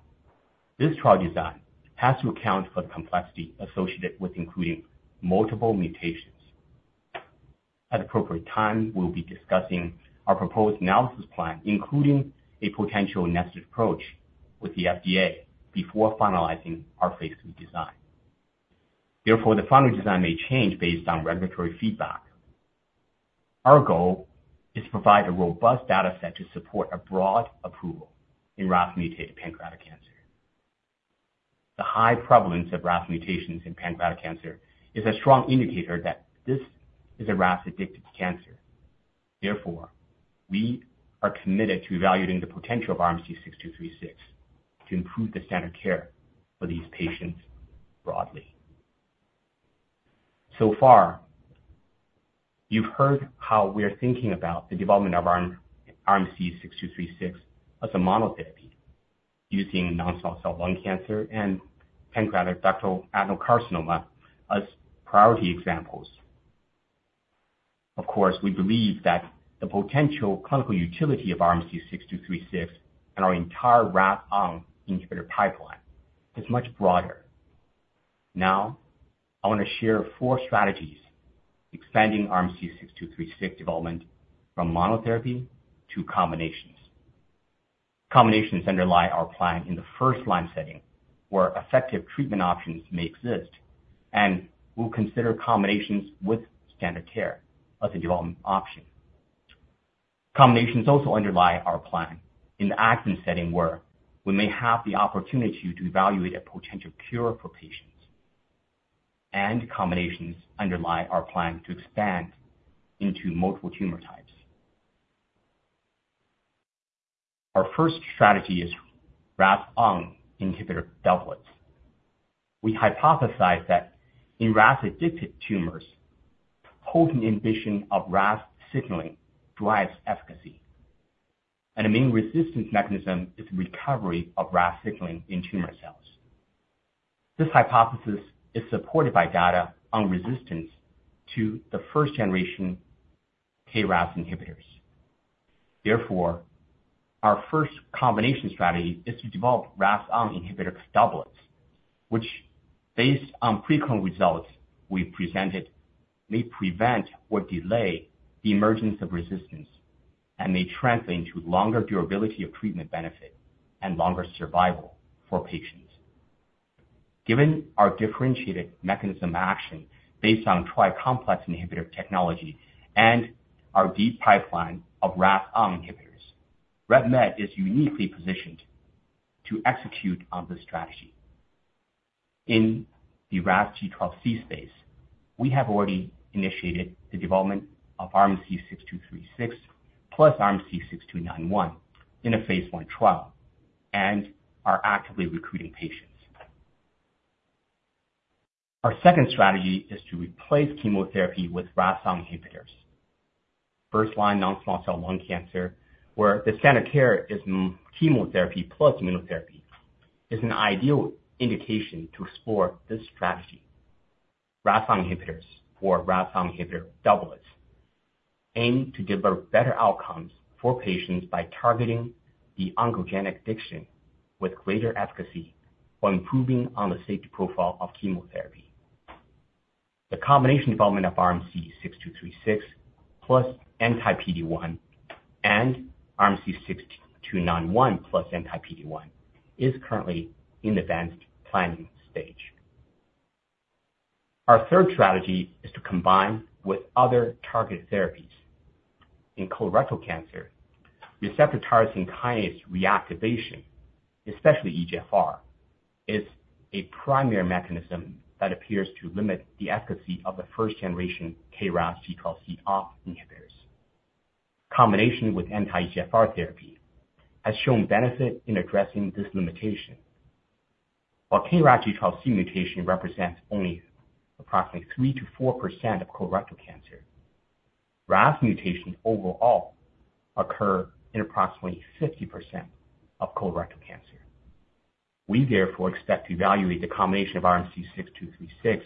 this trial design has to account for the complexity associated with including multiple mutations. At appropriate time, we'll be discussing our proposed analysis plan, including a potential nested approach with the FDA, before finalizing our phase 3 design. Therefore, the final design may change based on regulatory feedback. Our goal is to provide a robust data set to support a broad approval in RAS-mutated pancreatic cancer. The high prevalence of RAS mutations in pancreatic cancer is a strong indicator that this is a RAS-addicted cancer. Therefore, we are committed to evaluating the potential of RMC-6236 to improve the standard of care for these patients broadly. So far, you've heard how we're thinking about the development of RMC-6236 as a monotherapy, using non-small cell lung cancer and pancreatic ductal adenocarcinoma as priority examples. Of course, we believe that the potential clinical utility of RMC-6236 and our entire RAS inhibitor pipeline is much broader. Now, I want to share four strategies expanding RMC-6236 development from monotherapy to combinations. Combinations underlie our plan in the first-line setting, where effective treatment options may exist, and we'll consider combinations with standard care as a development option. Combinations also underlie our plan in the adjuvant setting, where we may have the opportunity to evaluate a potential cure for patients. And combinations underlie our plan to expand into multiple tumor types. Our first strategy is RAS(ON) inhibitor doublets. We hypothesize that in RAS-addicted tumors, total inhibition of RAS signaling drives efficacy, and the main resistance mechanism is the recovery of RAS signaling in tumor cells. This hypothesis is supported by data on resistance to the first-generation KRAS inhibitors. Therefore, our first combination strategy is to develop RAS inhibitor doublets, which, based on pre-clinical results we presented, may prevent or delay the emergence of resistance and may translate into longer durability of treatment benefit and longer survival for patients. Given our differentiated mechanism of action based on tri-complex inhibitor technology and our deep pipeline of RAS(ON) inhibitors, Revolution Medicines is uniquely positioned to execute on this strategy. In the RAS G12C space, we have already initiated the development of RMC-6236 plus RMC-6291 in a phase 1 trial and are actively recruiting patients. Our second strategy is to replace chemotherapy with RAS(ON) inhibitors. First-line non-small cell lung cancer, where the standard care is chemo plus immunotherapy, is an ideal indication to explore this strategy. RAS(ON) inhibitors or RAS(ON) inhibitor doublets aim to deliver better outcomes for patients by targeting the oncogenic addiction with greater efficacy, while improving on the safety profile of chemotherapy. The combination development of RMC-6236 plus anti-PD-1 and RMC-6291 plus anti-PD-1 is currently in advanced planning stage. Our third strategy is to combine with other targeted therapies. In colorectal cancer, receptor tyrosine kinase reactivation, especially EGFR, is a primary mechanism that appears to limit the efficacy of the first-generation KRAS G12C RAS(OFF) inhibitors. Combination with anti-EGFR therapy has shown benefit in addressing this limitation. While KRAS G12C mutation represents only approximately 3 to 4% of colorectal cancer, RAS mutations overall occur in approximately 50% of colorectal cancer. We therefore expect to evaluate the combination of RMC-6236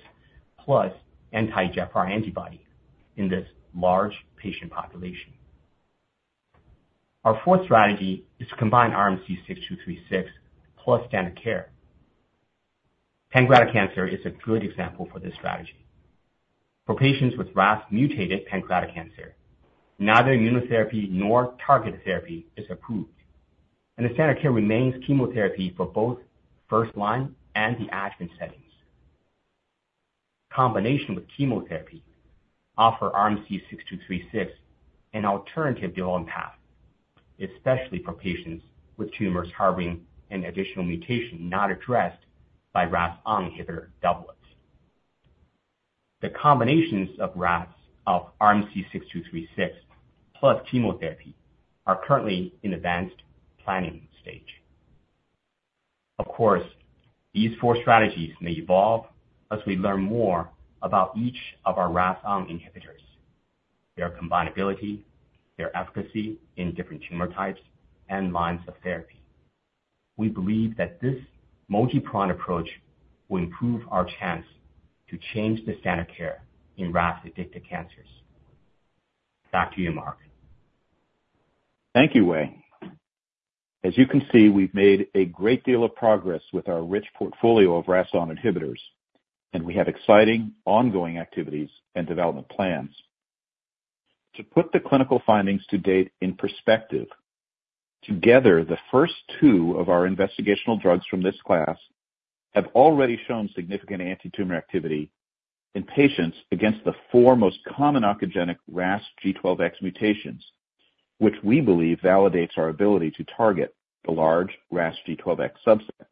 plus anti-EGFR antibody in this large patient population. Our fourth strategy is to combine RMC-6236 plus standard care. Pancreatic cancer is a good example for this strategy. For patients with RAS-mutated pancreatic cancer, neither immunotherapy nor targeted therapy is approved, and the standard care remains chemotherapy for both first line and the adjuvant settings. Combination with chemotherapy offers RMC-6236 an alternative development path, especially for patients with tumors harboring an additional mutation not addressed by RAS inhibitor doublets. The combinations of RMC-6236 plus chemotherapy are currently in advanced planning stage. Of course, these four strategies may evolve as we learn more about each of our RAS(ON) inhibitors, their combinability, their efficacy in different tumor types, and lines of therapy. We believe that this multi-prong approach will improve our chance to change the standard of care in RAS-addicted cancers. Back to you, Mark. Thank you, Wei. As you can see, we've made a great deal of progress with our rich portfolio of RAS(ON) inhibitors, and we have exciting ongoing activities and development plans. To put the clinical findings to date in perspective, together, the first two of our investigational drugs from this class have already shown significant antitumor activity in patients against the four most common oncogenic RAS G12X mutations, which we believe validates our ability to target the large RAS G12X subset.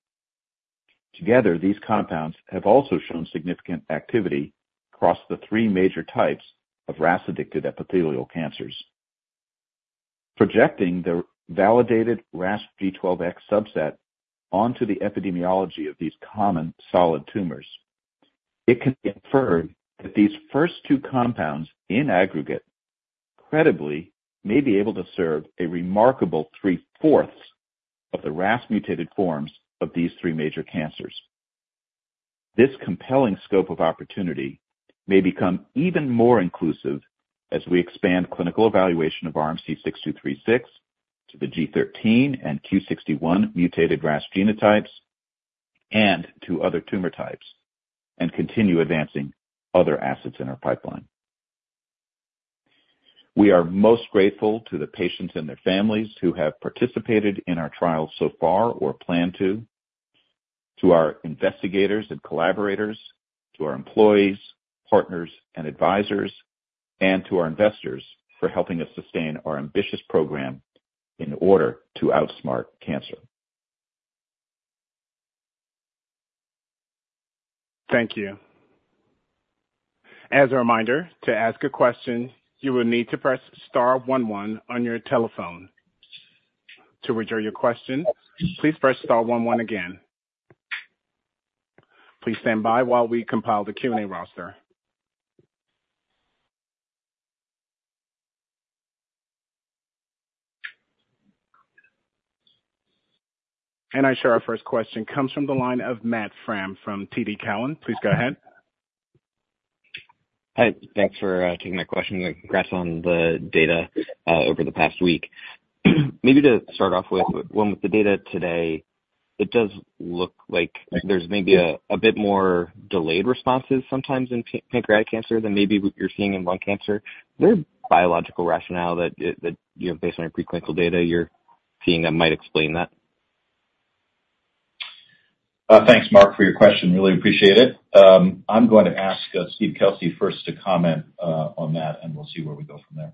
Together, these compounds have also shown significant activity across the three major types of RAS-addicted epithelial cancers. Projecting the validated RAS G12X subset onto the epidemiology of these common solid tumors, it can be inferred that these first two compounds, in aggregate, credibly may be able to serve a remarkable three-fourths of the RAS mutated forms of these three major cancers. This compelling scope of opportunity may become even more inclusive as we expand clinical evaluation of RMC-6236 to the G13 and Q61 mutated RAS genotypes and to other tumor types, and continue advancing other assets in our pipeline. We are most grateful to the patients and their families who have participated in our trial so far or plan to, to our investigators and collaborators, to our employees, partners, and advisors, and to our investors for helping us sustain our ambitious program in order to outsmart cancer. Thank you. As a reminder, to ask a question, you will need to press star one one on your telephone. To withdraw your question, please press star one one again. Please stand by while we compile the Q&A roster. And I show our first question comes from the line of Marc Frahm from TD Cowen. Please go ahead. Hi, thanks for taking my question, and congrats on the data over the past week. Maybe to start off with, well, with the data today, it does look like there's maybe a bit more delayed responses sometimes in pancreatic cancer than maybe what you're seeing in lung cancer. Is there biological rationale that, you know, based on your preclinical data, you're seeing that might explain that? Thanks, Marc, for your question. Really appreciate it. I'm going to ask Steve Kelsey first to comment on that, and we'll see where we go from there.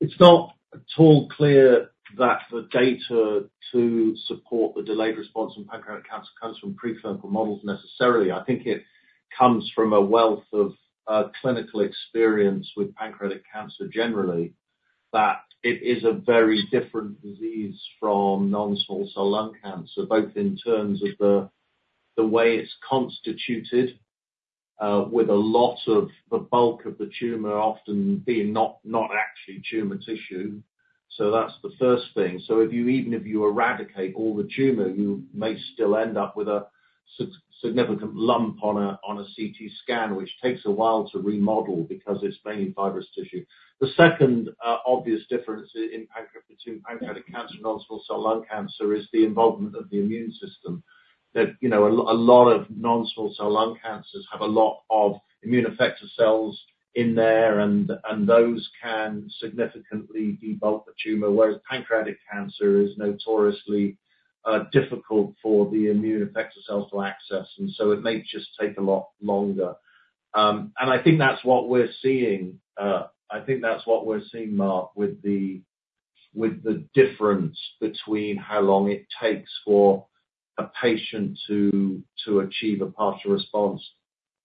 It's not at all clear that the data to support the delayed response in pancreatic cancer comes from preclinical models necessarily. I think it comes from a wealth of clinical experience with pancreatic cancer generally, that it is a very different disease from non-small cell lung cancer, both in terms of the way it's constituted, with a lot of the bulk of the tumor often being not actually tumor tissue. So that's the first thing. So even if you eradicate all the tumor, you may still end up with a significant lump on a CT scan, which takes a while to remodel because it's mainly fibrous tissue. The second obvious difference between pancreatic cancer and non-small cell lung cancer is the involvement of the immune system. That, you know, a lot, a lot of non-small cell lung cancers have a lot of immune effector cells in there, and those can significantly debulk the tumor, whereas pancreatic cancer is notoriously difficult for the immune effector cells to access, and so it may just take a lot longer. And I think that's what we're seeing. I think that's what we're seeing, Mark, with the difference between how long it takes for a patient to achieve a partial response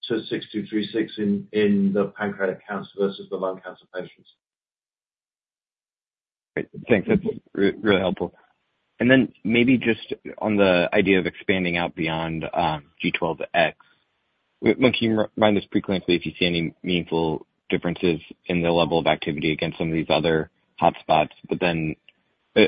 to 6236 in the pancreatic cancer versus the lung cancer patients. Great. Thanks. That's really helpful. And then maybe just on the idea of expanding out beyond G12X, when can you run this preclinically, if you see any meaningful differences in the level of activity against some of these other hotspots, but then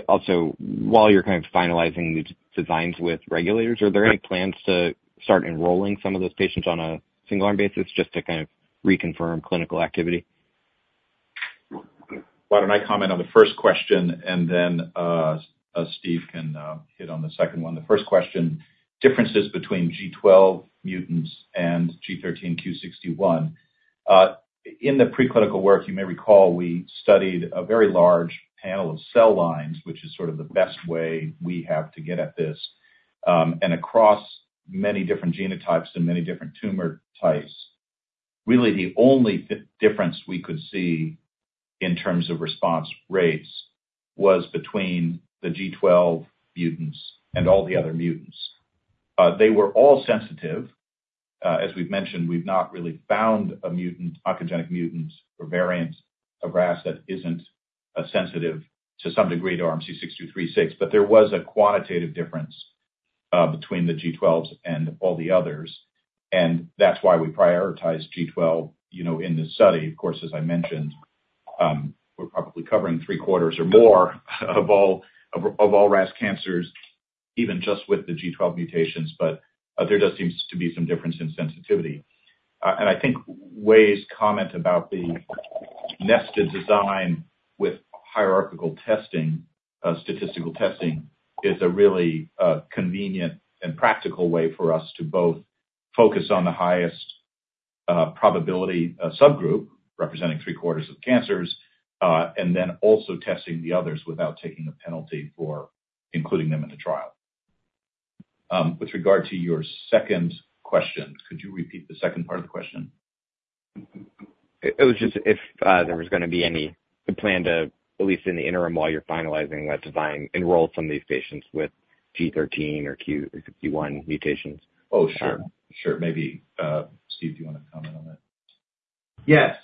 also, while you're kind of finalizing these designs with regulators, are there any plans to start enrolling some of those patients on a single-arm basis just to kind of reconfirm clinical activity? Why don't I comment on the first question, and then Steve can hit on the second one? The first question, differences between G12 mutants and G13/Q61. In the preclinical work, you may recall, we studied a very large panel of cell lines, which is sort of the best way we have to get at this. And across many different genotypes and many different tumor types, really the only difference we could see in terms of response rates was between the G12 mutants and all the other mutants. They were all sensitive. As we've mentioned, we've not really found a mutant, oncogenic mutant or variant of RAS that isn't as sensitive to some degree to RMC-6236. But there was a quantitative difference between the G12s and all the others, and that's why we prioritized G12, you know, in this study. Of course, as I mentioned, we're probably covering three quarters or more of all RAS cancers, even just with the G12 mutations. But there just seems to be some difference in sensitivity. And I think Wei's comment about the nested design with hierarchical testing, statistical testing, is a really convenient and practical way for us to both focus on the highest probability subgroup, representing three quarters of cancers, and then also testing the others without taking a penalty for including them in the trial. With regard to your second question, could you repeat the second part of the question? It was just if there was gonna be any plan to, at least in the interim, while you're finalizing that design, enroll some of these patients with G13 or Q61 mutations? Oh, sure. Sure. Maybe, Steve, do you want to comment on that? Yes,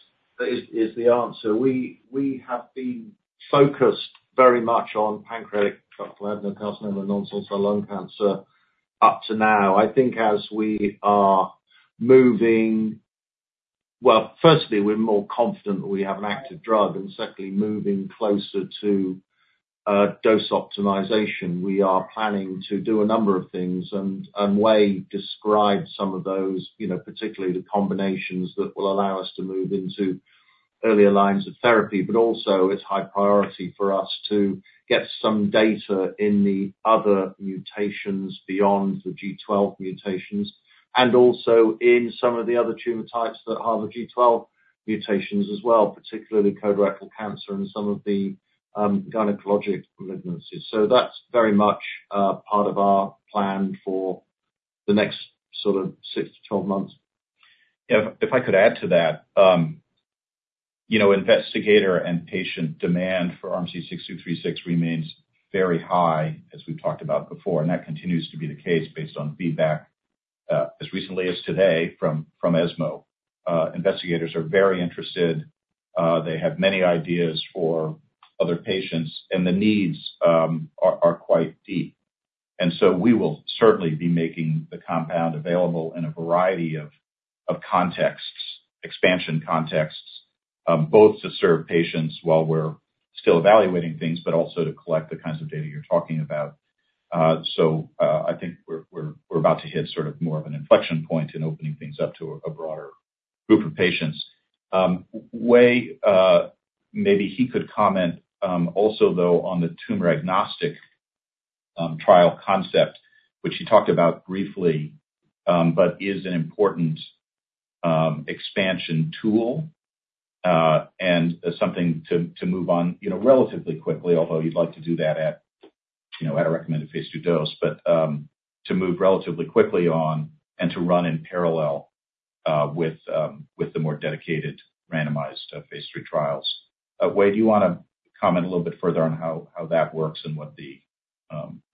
is, is the answer. We, we have been focused very much on pancreatic, colorectal, and personal and non-small cell lung cancer up to now. I think as we are moving... Well, firstly, we're more confident we have an active drug, and secondly, moving closer to, dose optimization. We are planning to do a number of things, and, and Wei described some of those, you know, particularly the combinations that will allow us to move into earlier lines of therapy. Also, it's high priority for us to get some data in the other mutations beyond the G12 mutations, and also in some of the other tumor types that have the G12 mutations as well, particularly colorectal cancer and some of the gynecologic malignancies. That's very much, part of our plan for the next sort of 6 to 12 months. If I could add to that, you know, investigator and patient demand for RMC-6236 remains very high, as we've talked about before, and that continues to be the case based on feedback, as recently as today from ESMO. Investigators are very interested, they have many ideas for other patients, and the needs are quite deep. And so we will certainly be making the compound available in a variety of contexts, expansion contexts, both to serve patients while we're still evaluating things, but also to collect the kinds of data you're talking about. So, I think we're about to hit sort of more of an inflection point in opening things up to a broader group of patients. Wei, maybe he could comment also, though, on the tumor agnostic trial concept, which he talked about briefly, but is an important expansion tool and something to move on, you know, relatively quickly, although you'd like to do that at, you know, at a recommended phase two dose. But to move relatively quickly on and to run in parallel with the more dedicated, randomized phase three trials. Wei, do you want to comment a little bit further on how that works and what the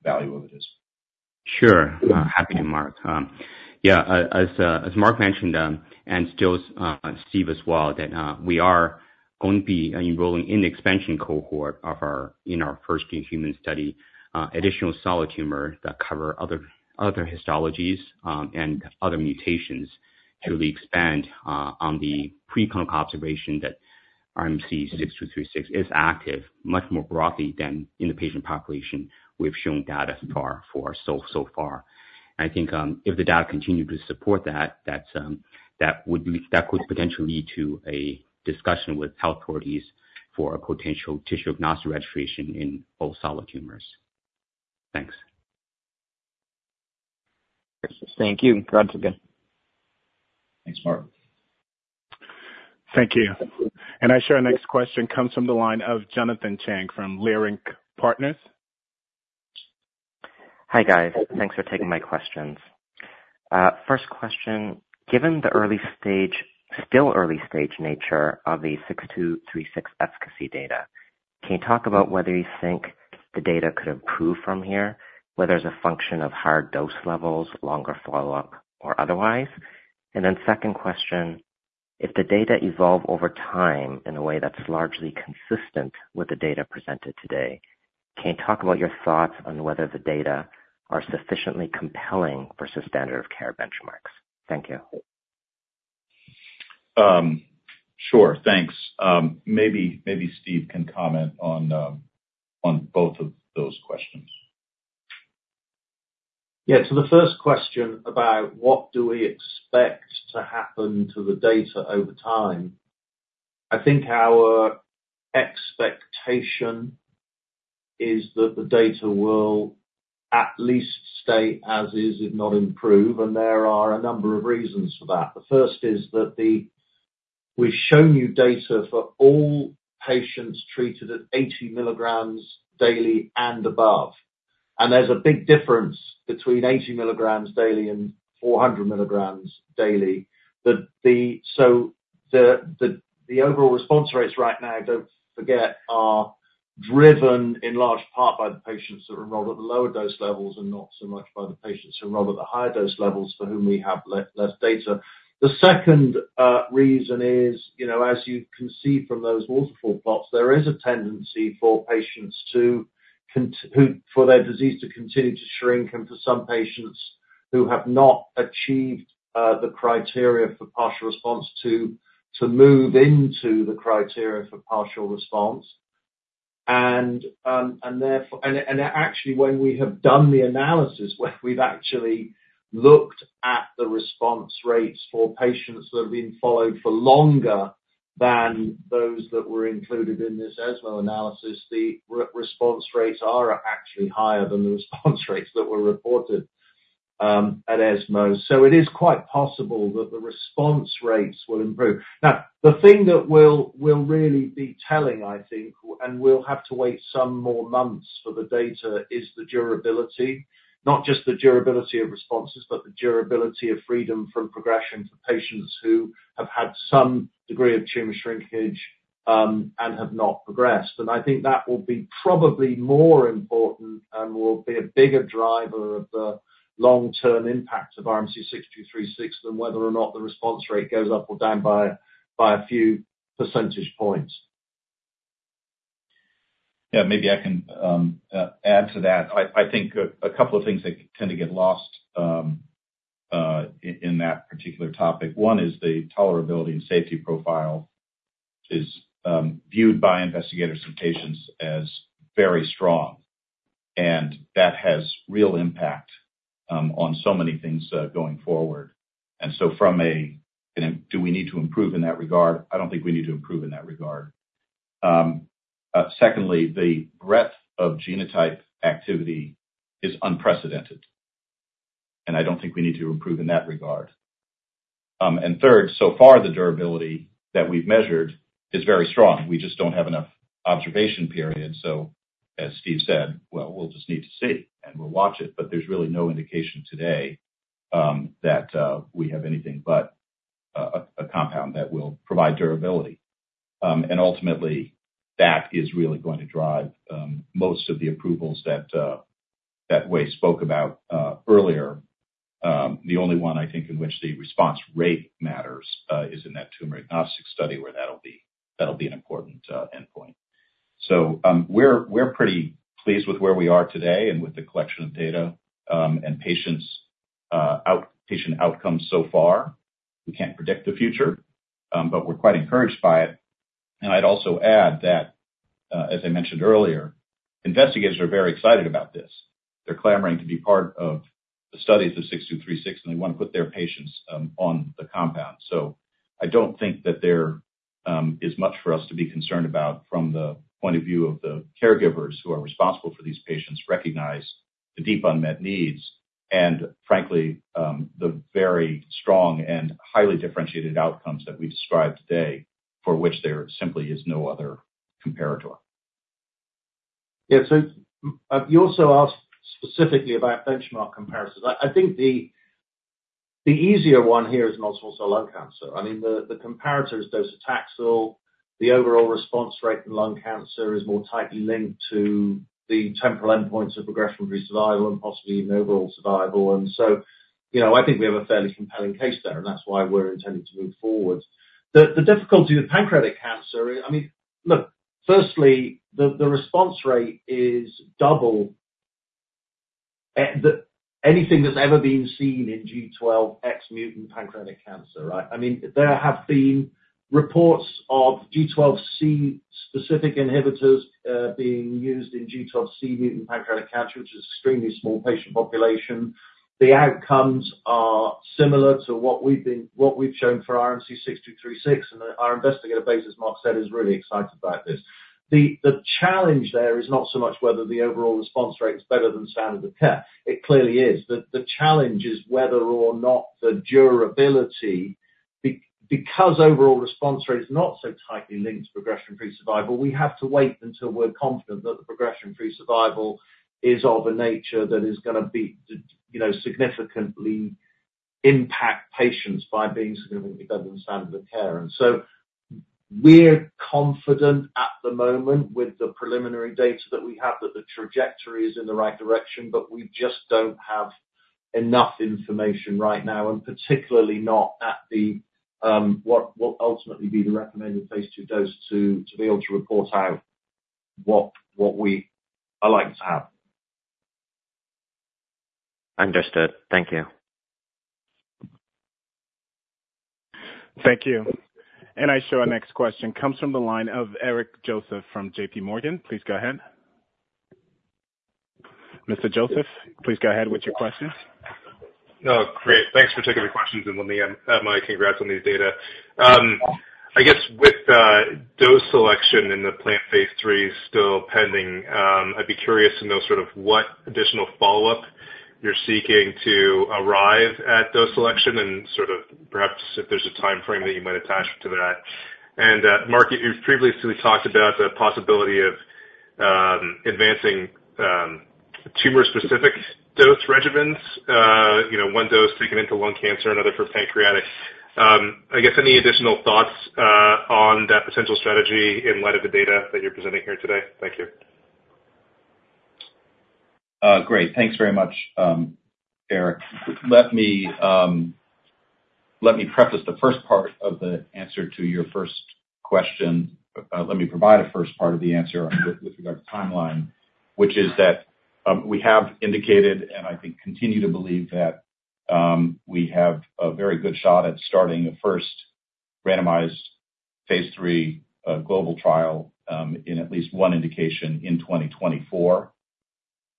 value of it is? Sure. Happy to, Mark. Yeah, as Mark mentioned, and Joe, and Steve as well, that we are going to be enrolling in the expansion cohort of our first-in-human study, additional solid tumors that cover other histologies, and other mutations to really expand on the preclinical observation that RMC-6236 is active, much more broadly than in the patient population. We've shown data so far for so far. I think, if the data continue to support that, that's, that would lead, that could potentially lead to a discussion with health authorities for a potential tissue-agnostic registration in all solid tumors. Thanks. Thank you. Once again. Thanks, Mark. Thank you. Our next question comes from the line of Jonathan Chang from Leerink Partners. Hi, guys. Thanks for taking my questions. First question: Given the early stage, still early stage nature of the 6236 efficacy data, can you talk about whether you think the data could improve from here, whether it's a function of higher dose levels, longer follow-up, or otherwise? And then second question: If the data evolve over time in a way that's largely consistent with the data presented today, can you talk about your thoughts on whether the data are sufficiently compelling versus standard of care benchmarks? Thank you. Sure. Thanks. Maybe, maybe Steve can comment on both of those questions. Yeah. So the first question about what do we expect to happen to the data over time, I think our expectation is that the data will at least stay as is, if not improve, and there are a number of reasons for that. The first is that we've shown you data for all patients treated at 80 milligrams daily and above. And there's a big difference between 80 milligrams daily and 400 milligrams daily. So the overall response rates right now, don't forget, are driven in large part by the patients that are enrolled at the lower dose levels, and not so much by the patients who enroll at the higher dose levels, for whom we have less data. The second reason is, you know, as you can see from those waterfall plots, there is a tendency for patients for their disease to continue to shrink, and for some patients who have not achieved the criteria for partial response to move into the criteria for partial response. And actually, when we have done the analysis, when we've actually looked at the response rates for patients that have been followed for longer than those that were included in this ESMO analysis, the response rates are actually higher than the response rates that were reported at ESMO. So it is quite possible that the response rates will improve. Now, the thing that will really be telling, I think, and we'll have to wait some more months for the data, is the durability. Not just the durability of responses, but the durability of freedom from progression for patients who have had some degree of tumor shrinkage, and have not progressed. And I think that will be probably more important and will be a bigger driver of the long-term impact of RMC-6236, than whether or not the response rate goes up or down by a few percentage points. Yeah, maybe I can add to that. I think a couple of things that tend to get lost in that particular topic. One, is the tolerability and safety profile is viewed by investigators and patients as very strong, and that has real impact on so many things going forward. And so from a, "Do we need to improve in that regard?" I don't think we need to improve in that regard. Secondly, the breadth of genotype activity is unprecedented, and I don't think we need to improve in that regard. And third, so far, the durability that we've measured is very strong. We just don't have enough observation period, so as Steve said, "Well, we'll just need to see," and we'll watch it, but there's really no indication today that we have anything but a compound that will provide durability. And ultimately, that is really going to drive most of the approvals that we spoke about earlier. The only one I think in which the response rate matters is in that tumor agnostic study, where that'll be an important endpoint. So, we're pretty pleased with where we are today, and with the collection of data and patient outcomes so far. We can't predict the future, but we're quite encouraged by it. And I'd also add that as I mentioned earlier, investigators are very excited about this. They're clamoring to be part of the studies of 6236, and they want to put their patients on the compound. So I don't think that there is much for us to be concerned about from the point of view of the caregivers who are responsible for these patients, recognize the deep unmet needs, and frankly, the very strong and highly differentiated outcomes that we've described today, for which there simply is no other comparator. Yeah. So, you also asked specifically about benchmark comparisons. I think the easier one here is non-small cell lung cancer. I mean, the comparator is docetaxel. The overall response rate in lung cancer is more tightly linked to the temporal endpoints of progression-free survival, and possibly even overall survival. And so, you know, I think we have a fairly compelling case there, and that's why we're intending to move forward. The difficulty with pancreatic cancer, I mean, look, firstly, the response rate is double anything that's ever been seen in G12X mutant pancreatic cancer, right? I mean, there have been reports of G12C specific inhibitors being used in G12C mutant pancreatic cancer, which is an extremely small patient population. The outcomes are similar to what we've been, what we've shown for RMC-6236, and our investigator base, as Mark said, is really excited about this. The challenge there is not so much whether the overall response rate is better than standard of care. It clearly is. The challenge is whether or not the durability... Because overall response rate is not so tightly linked to progression-free survival, we have to wait until we're confident that the progression-free survival is of a nature that is gonna be, you know, significantly impact patients by being significantly better than standard of care. And so we're confident at the moment with the preliminary data that we have, that the trajectory is in the right direction, but we just don't have enough information right now, and particularly not at the, what will ultimately be the recommended phase 2 dose to be able to report out what we are likely to have. Understood. Thank you. Thank you. I show our next question comes from the line of Eric Joseph from J.P. Morgan. Please go ahead.... Mr. Joseph, please go ahead with your questions. Oh, great. Thanks for taking the questions, and let me add my congrats on these data. I guess with dose selection in the planned phase 3 still pending, I'd be curious to know sort of what additional follow-up you're seeking to arrive at dose selection, and sort of perhaps if there's a timeframe that you might attach to that? And, Mark, you've previously talked about the possibility of advancing tumor-specific dose regimens, you know, one dose taken into lung cancer, another for pancreatic. I guess, any additional thoughts on that potential strategy in light of the data that you're presenting here today? Thank you. Great. Thanks very much, Eric. Let me preface the first part of the answer to your first question. Let me provide a first part of the answer on with regard to timeline, which is that, we have indicated, and I think continue to believe, that, we have a very good shot at starting a first randomized phase 3 global trial in at least one indication in 2024.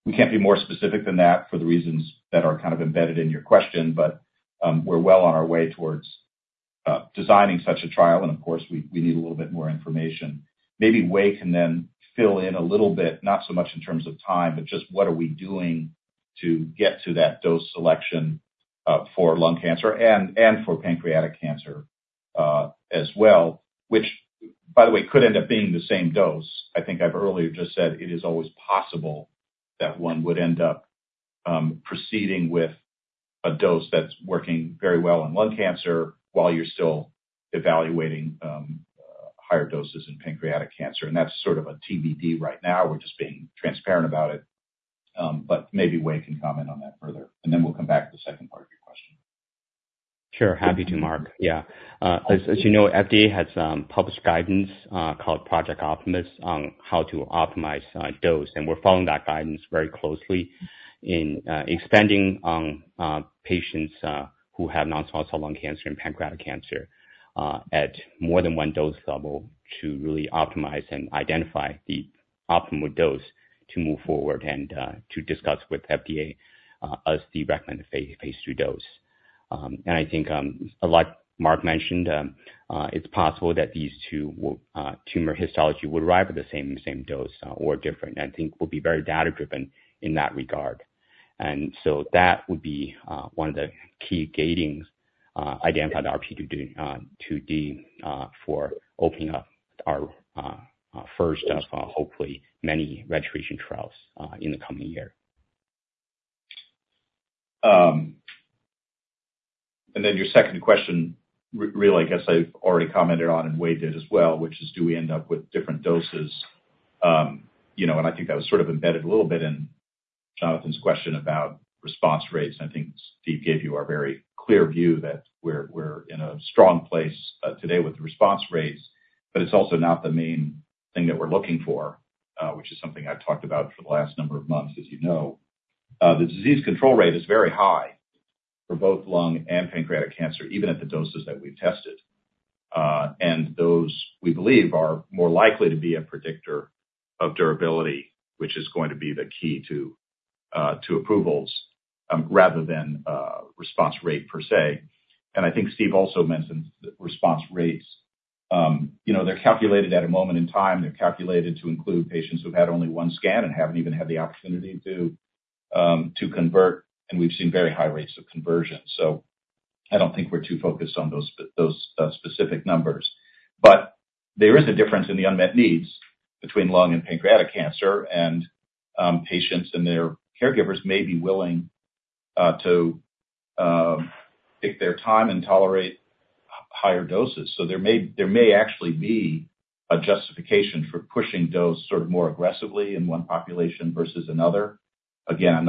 We can't be more specific than that for the reasons that are kind of embedded in your question, but, we're well on our way towards designing such a trial, and of course, we need a little bit more information. Maybe Wei can then fill in a little bit, not so much in terms of time, but just what are we doing to get to that dose selection, for lung cancer and, and for pancreatic cancer, as well, which by the way, could end up being the same dose. I think I've earlier just said, it is always possible that one would end up, proceeding with a dose that's working very well on lung cancer, while you're still evaluating, higher doses in pancreatic cancer. And that's sort of a TBD right now. We're just being transparent about it. But maybe Wei can comment on that further, and then we'll come back to the second part of your question. Sure. Happy to, Mark. Yeah. As you know, FDA has published guidance called Project Optimus on how to optimize dose, and we're following that guidance very closely in expanding on patients who have non-small cell lung cancer and pancreatic cancer at more than 1 dose level to really optimize and identify the optimal dose to move forward, and to discuss with FDA as the recommended phase 2 dose. And I think, like Mark mentioned, it's possible that these 2 tumor histologies will arrive at the same dose or different. I think we'll be very data driven in that regard. So that would be one of the key gatings identified RP2D for opening up our first and hopefully many registration trials in the coming year. And then your second question, really, I guess I've already commented on, and Wei did as well, which is, do we end up with different doses? You know, and I think that was sort of embedded a little bit in Jonathan's question about response rates, and I think Steve gave you our very clear view that we're in a strong place today with the response rates, but it's also not the main thing that we're looking for, which is something I've talked about for the last number of months, as you know. The disease control rate is very high for both lung and pancreatic cancer, even at the doses that we've tested. And those, we believe, are more likely to be a predictor of durability, which is going to be the key to approvals, rather than response rate per se. And I think Steve also mentioned the response rates. You know, they're calculated at a moment in time. They're calculated to include patients who've had only one scan and haven't even had the opportunity to convert, and we've seen very high rates of conversion. So I don't think we're too focused on those those specific numbers. But there is a difference in the unmet needs between lung and pancreatic cancer, and patients and their caregivers may be willing to take their time and tolerate higher doses. So there may, there may actually be a justification for pushing dose sort of more aggressively in one population versus another. Again, I'm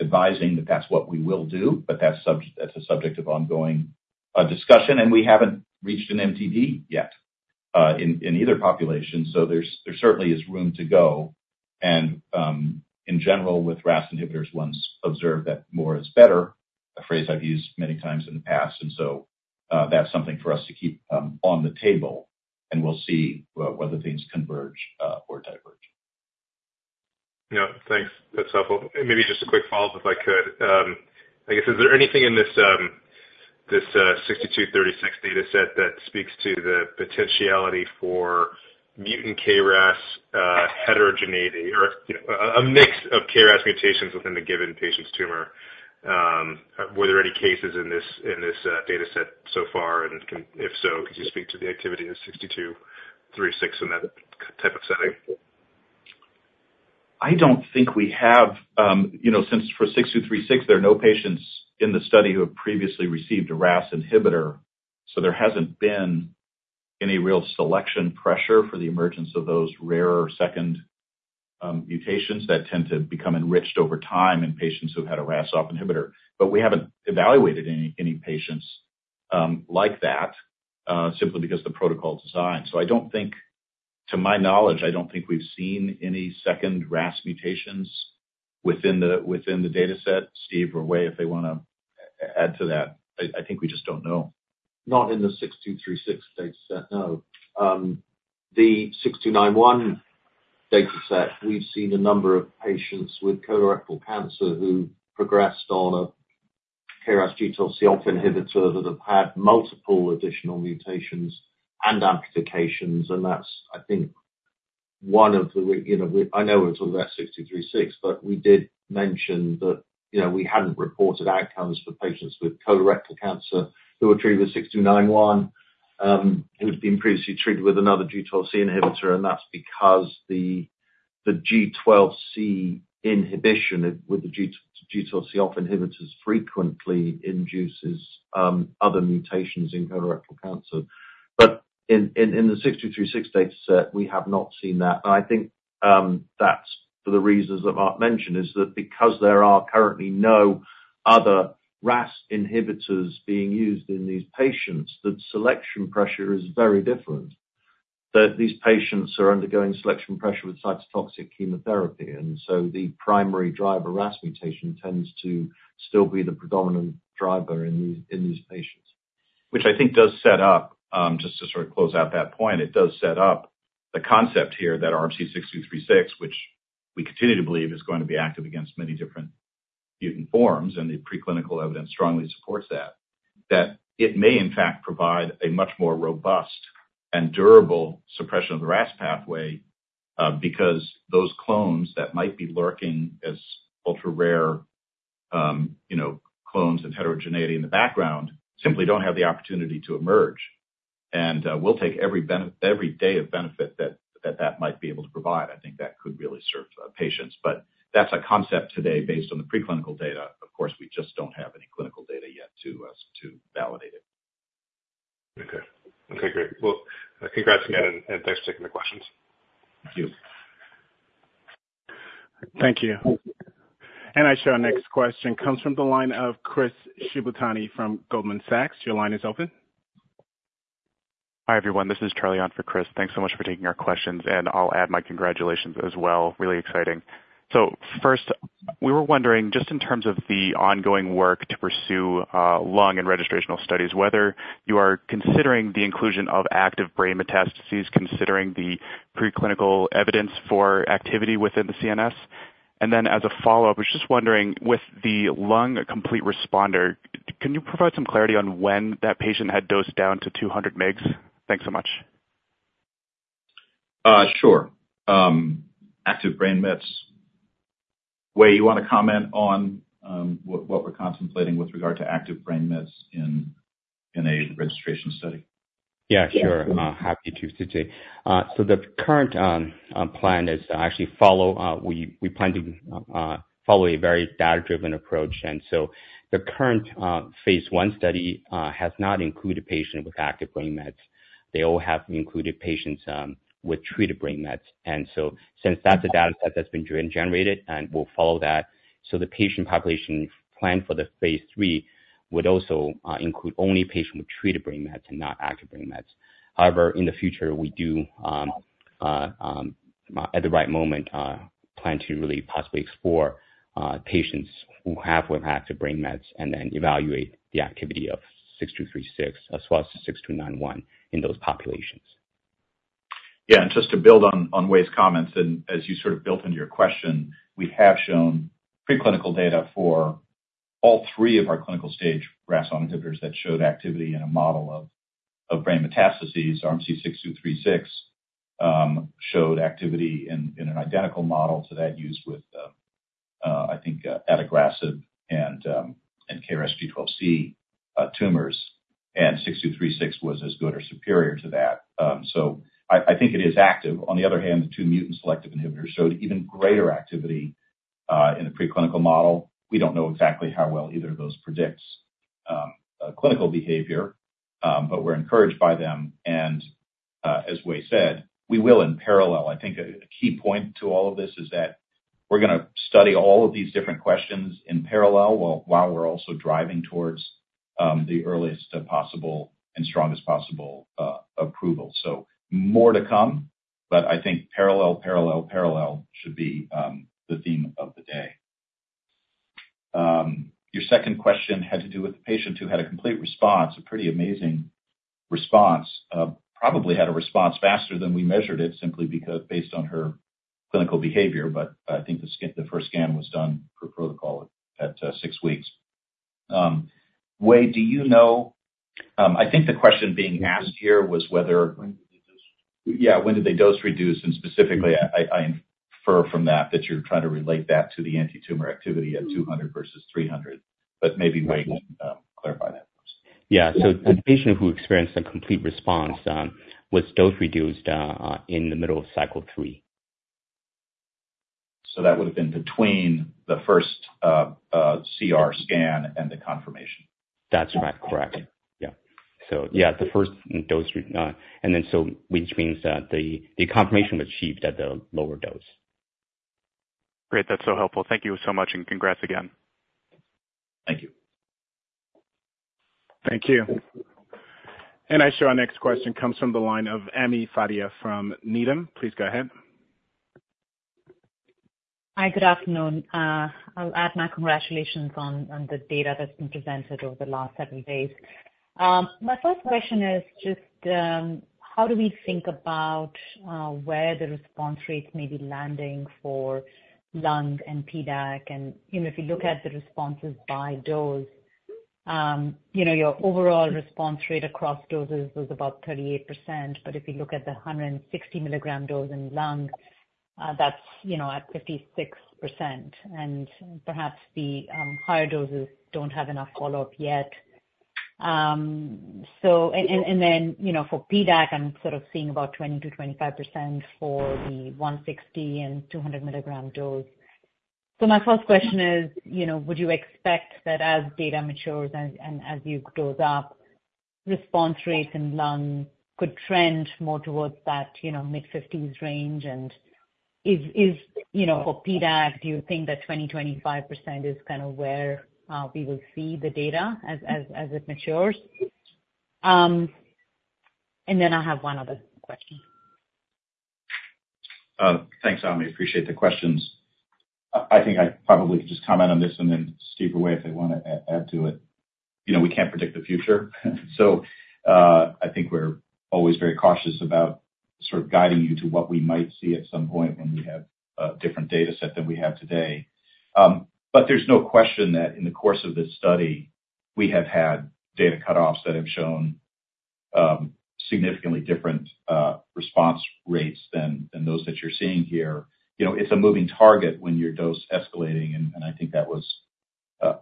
not advising that that's what we will do, but that's a subject of ongoing discussion, and we haven't reached an MTD yet in either population, so there certainly is room to go. And in general, with RAS inhibitors, one's observed that more is better, a phrase I've used many times in the past, and so that's something for us to keep on the table, and we'll see whether things converge or diverge. Yeah. Thanks. That's helpful. And maybe just a quick follow-up, if I could. I guess, is there anything in this, this, 6236 data set that speaks to the potentiality for mutant KRAS heterogeneity or, you know, a mix of KRAS mutations within a given patient's tumor? Were there any cases in this, in this, data set so far? And can -- if so, could you speak to the activity of 6236 in that type of setting? I don't think we have, you know, since for RMC-6236, there are no patients in the study who have previously received a RAS inhibitor, so there hasn't been any real selection pressure for the emergence of those rarer second mutations that tend to become enriched over time in patients who've had a RAS(ON) inhibitor. But we haven't evaluated any patients like that simply because the protocol design. So I don't think, to my knowledge, I don't think we've seen any second RAS mutations within the data set. Steve or Wei, if they wanna elaborate... add to that. I think we just don't know. Not in the 6236 dataset, no. The 6291 dataset, we've seen a number of patients with colorectal cancer who progressed on a KRAS G12C inhibitor, that have had multiple additional mutations and amplifications, and that's, I think, one of the, you know, I know we're talking about 6236, but we did mention that, you know, we hadn't reported outcomes for patients with colorectal cancer who were treated with 6291, who had been previously treated with another G12C inhibitor, and that's because the, the G12C inhibition with the G12C off inhibitors frequently induces, other mutations in colorectal cancer. But in the 6236 dataset, we have not seen that, and I think that's for the reasons that Art mentioned, is that because there are currently no other RAS inhibitors being used in these patients, the selection pressure is very different, that these patients are undergoing selection pressure with cytotoxic chemotherapy. And so the primary driver RAS mutation tends to still be the predominant driver in these, in these patients. Which I think does set up, just to sort of close out that point, it does set up the concept here that RMC-6236, which we continue to believe is going to be active against many different mutant forms, and the preclinical evidence strongly supports that, that it may in fact provide a much more robust and durable suppression of the RAS pathway, because those clones that might be lurking as ultra-rare, you know, clones and heterogeneity in the background, simply don't have the opportunity to emerge. And, we'll take every benefit that might be able to provide. I think that could really serve patients. But that's a concept today based on the preclinical data. Of course, we just don't have any clinical data yet to validate it. Okay. Okay, great. Well, congrats again, and, and thanks for taking the questions. Thank you. Thank you. And I show our next question comes from the line of Chris Shibutani from Goldman Sachs. Your line is open. Hi, everyone. This is Charlie on for Chris. Thanks so much for taking our questions, and I'll add my congratulations as well, really exciting. So first, we were wondering, just in terms of the ongoing work to pursue, lung and registrational studies, whether you are considering the inclusion of active brain metastases, considering the preclinical evidence for activity within the CNS? And then, as a follow-up, I was just wondering, with the lung complete responder, can you provide some clarity on when that patient had dosed down to 200 mg? Thanks so much. Sure. Active brain mets. Wei, you want to comment on what we're contemplating with regard to active brain mets in a registration study? Yeah, sure. Happy to do. So the current plan is to actually follow a very data-driven approach. And so the current phase 1 study has not included patients with active brain mets. They all have included patients with treated brain mets. And so since that's the dataset that's been generated, and we'll follow that, so the patient population plan for the phase 3 would also include only patients with treated brain mets, and not active brain mets. However, in the future, we do at the right moment plan to really possibly explore patients with active brain mets, and then evaluate the activity of 6236, as well as 6291 in those populations. Yeah, and just to build on Wei's comments, and as you sort of built into your question, we have shown preclinical data for all three of our clinical stage RAS(ON) inhibitors that showed activity in a model of brain metastases. RMC-6236 showed activity in an identical model to that used with adagrasib and KRAS G12C tumors, and 6236 was as good or superior to that. So I think it is active. On the other hand, the two mutant selective inhibitors showed even greater activity in the preclinical model. We don't know exactly how well either of those predicts clinical behavior, but we're encouraged by them. And as Wei said, we will in parallel... I think a key point to all of this is that we're gonna study all of these different questions in parallel, while we're also driving towards the earliest possible and strongest possible approval. So more to come, but I think parallel, parallel, parallel should be the theme of the day. Your second question had to do with the patient who had a complete response, a pretty amazing response. Probably had a response faster than we measured it, simply because based on her clinical behavior, but I think the scan, the first scan was done for protocol at six weeks. Wei, do you know, I think the question being asked here was whether- When did they dose? Yeah, when did they dose reduce? And specifically, I infer from that, that you're trying to relate that to the antitumor activity at 200 versus 300, but maybe Wei can clarify that. Yeah. So the patient who experienced a complete response was dose reduced in the middle of cycle three. So that would have been between the first CT scan and the confirmation? That's right. Correct. Yeah. So yeah, the first dose, and then so which means that the confirmation was achieved at the lower dose. Great, that's so helpful. Thank you so much, and congrats again. Thank you. Thank you. I show our next question comes from the line of Ami Fadia from Needham. Please go ahead. ... Hi, good afternoon. I'll add my congratulations on, on the data that's been presented over the last several days. My first question is just, how do we think about, where the response rates may be landing for lung and PDAC? And, you know, if you look at the responses by dose, you know, your overall response rate across doses was about 38%, but if you look at the 160 mg dose in lung, that's, you know, at 56%, and perhaps the higher doses don't have enough follow-up yet. So, and then, you know, for PDAC, I'm sort of seeing about 20 to 25% for the 160 and 200 mg dose. So my first question is, you know, would you expect that as data matures and as you dose up, response rates in lung could trend more towards that, you know, mid-50s range? And is, you know, for PDAC, do you think that 20 to 25% is kind of where we will see the data as it matures? And then I have one other question. Thanks, Amy. Appreciate the questions. I think I probably could just comment on this and then Steve or Wei, if they wanna add to it. You know, we can't predict the future. So, I think we're always very cautious about sort of guiding you to what we might see at some point when we have a different data set than we have today. But there's no question that in the course of this study, we have had data cutoffs that have shown significantly different response rates than those that you're seeing here. You know, it's a moving target when you're dose-escalating, and I think that was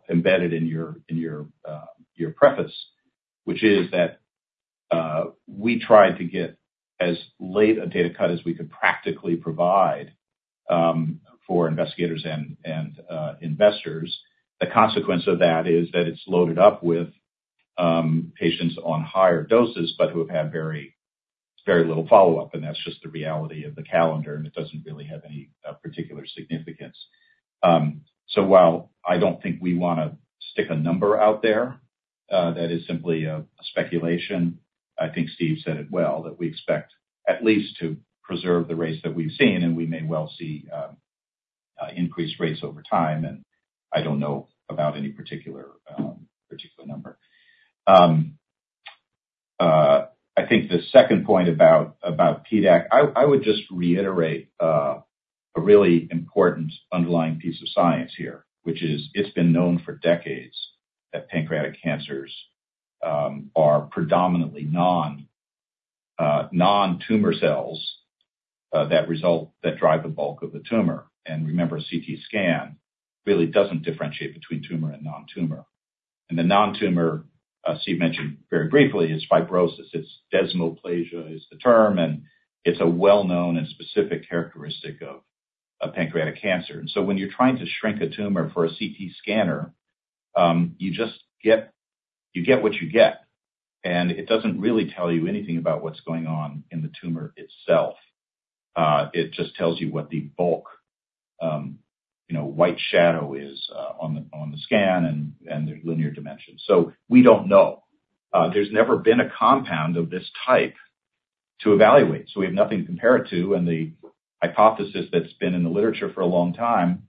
embedded in your preface, which is that we tried to get as late a data cut as we could practically provide for investigators and investors. The consequence of that is that it's loaded up with patients on higher doses, but who have had very, very little follow-up, and that's just the reality of the calendar, and it doesn't really have any particular significance. So while I don't think we wanna stick a number out there that is simply a speculation, I think Steve said it well, that we expect at least to preserve the rates that we've seen, and we may well see increased rates over time, and I don't know about any particular number. I think the second point about PDAC, I would just reiterate a really important underlying piece of science here, which is, it's been known for decades that pancreatic cancers are predominantly non-tumor cells that drive the bulk of the tumor. Remember, a CT scan really doesn't differentiate between tumor and non-tumor. The non-tumor, Steve mentioned very briefly, is fibrosis. It's desmoplasia, is the term, and it's a well-known and specific characteristic of pancreatic cancer. So when you're trying to shrink a tumor for a CT scanner, you just get, you get what you get, and it doesn't really tell you anything about what's going on in the tumor itself. It just tells you what the bulk, you know, white shadow is on the scan and the linear dimensions. So we don't know. There's never been a compound of this type to evaluate, so we have nothing to compare it to. The hypothesis that's been in the literature for a long time,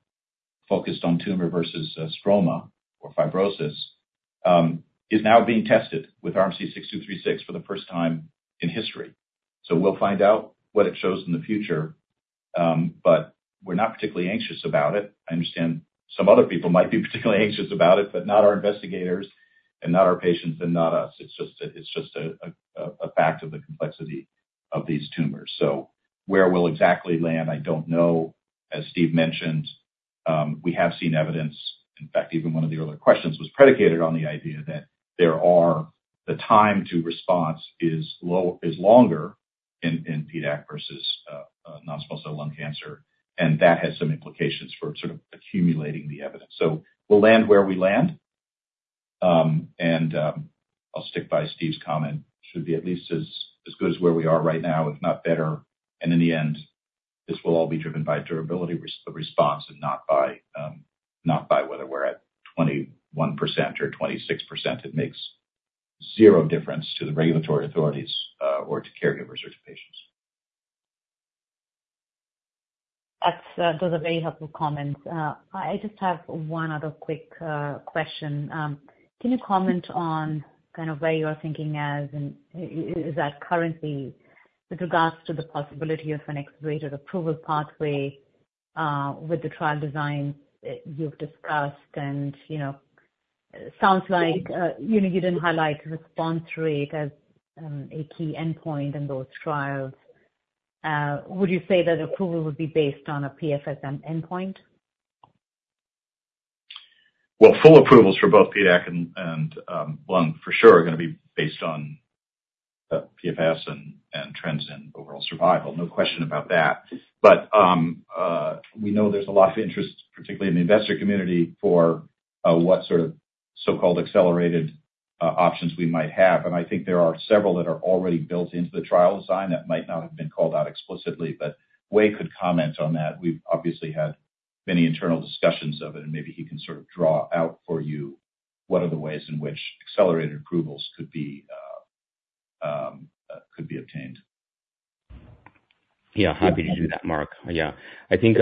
focused on tumor versus stroma or fibrosis, is now being tested with RMC-6236 for the first time in history. So we'll find out what it shows in the future, but we're not particularly anxious about it. I understand some other people might be particularly anxious about it, but not our investigators, and not our patients, and not us. It's just a fact of the complexity of these tumors. So where we'll exactly land, I don't know. As Steve mentioned, we have seen evidence, in fact, even one of the earlier questions was predicated on the idea that the time to response is longer in PDAC versus non-small cell lung cancer, and that has some implications for sort of accumulating the evidence. So we'll land where we land. And I'll stick by Steve's comment, should be at least as good as where we are right now, if not better. And in the end, this will all be driven by durability response and not by whether we're at 21% or 26%. It makes zero difference to the regulatory authorities, or to caregivers or to patients. That's, those are very helpful comments. I just have one other quick question. Can you comment on kind of where you're thinking as and is that currently with regards to the possibility of an accelerated approval pathway, with the trial design you've discussed? You know, sounds like, you know, you didn't highlight response rate as a key endpoint in those trials. Would you say that approval would be based on a PFS endpoint? Well, full approvals for both PDAC and lung for sure, are gonna be based on PFS and trends in overall survival, no question about that. But, we know there's a lot of interest, particularly in the investor community, for what sort of so-called accelerated options we might have. And I think there are several that are already built into the trial design that might not have been called out explicitly, but Wei could comment on that. We've obviously had many internal discussions of it, and maybe he can sort of draw out for you what are the ways in which accelerated approvals could be obtained. Yeah, happy to do that, Mark. Yeah. I think,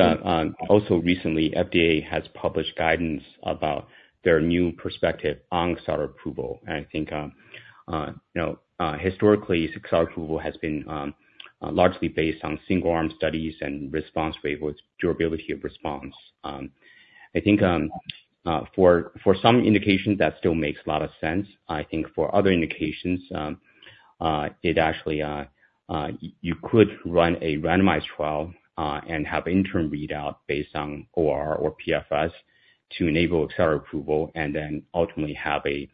also recently, FDA has published guidance about their new perspective on accelerated approval. And I think, you know, historically, accelerated approval has been, largely based on single-arm studies and response rate with durability of response. I think, for, for some indications, that still makes a lot of sense. I think for other indications, it actually, you could run a randomized trial, and have interim readout based on OR or PFS to enable accelerated approval, and then ultimately have a,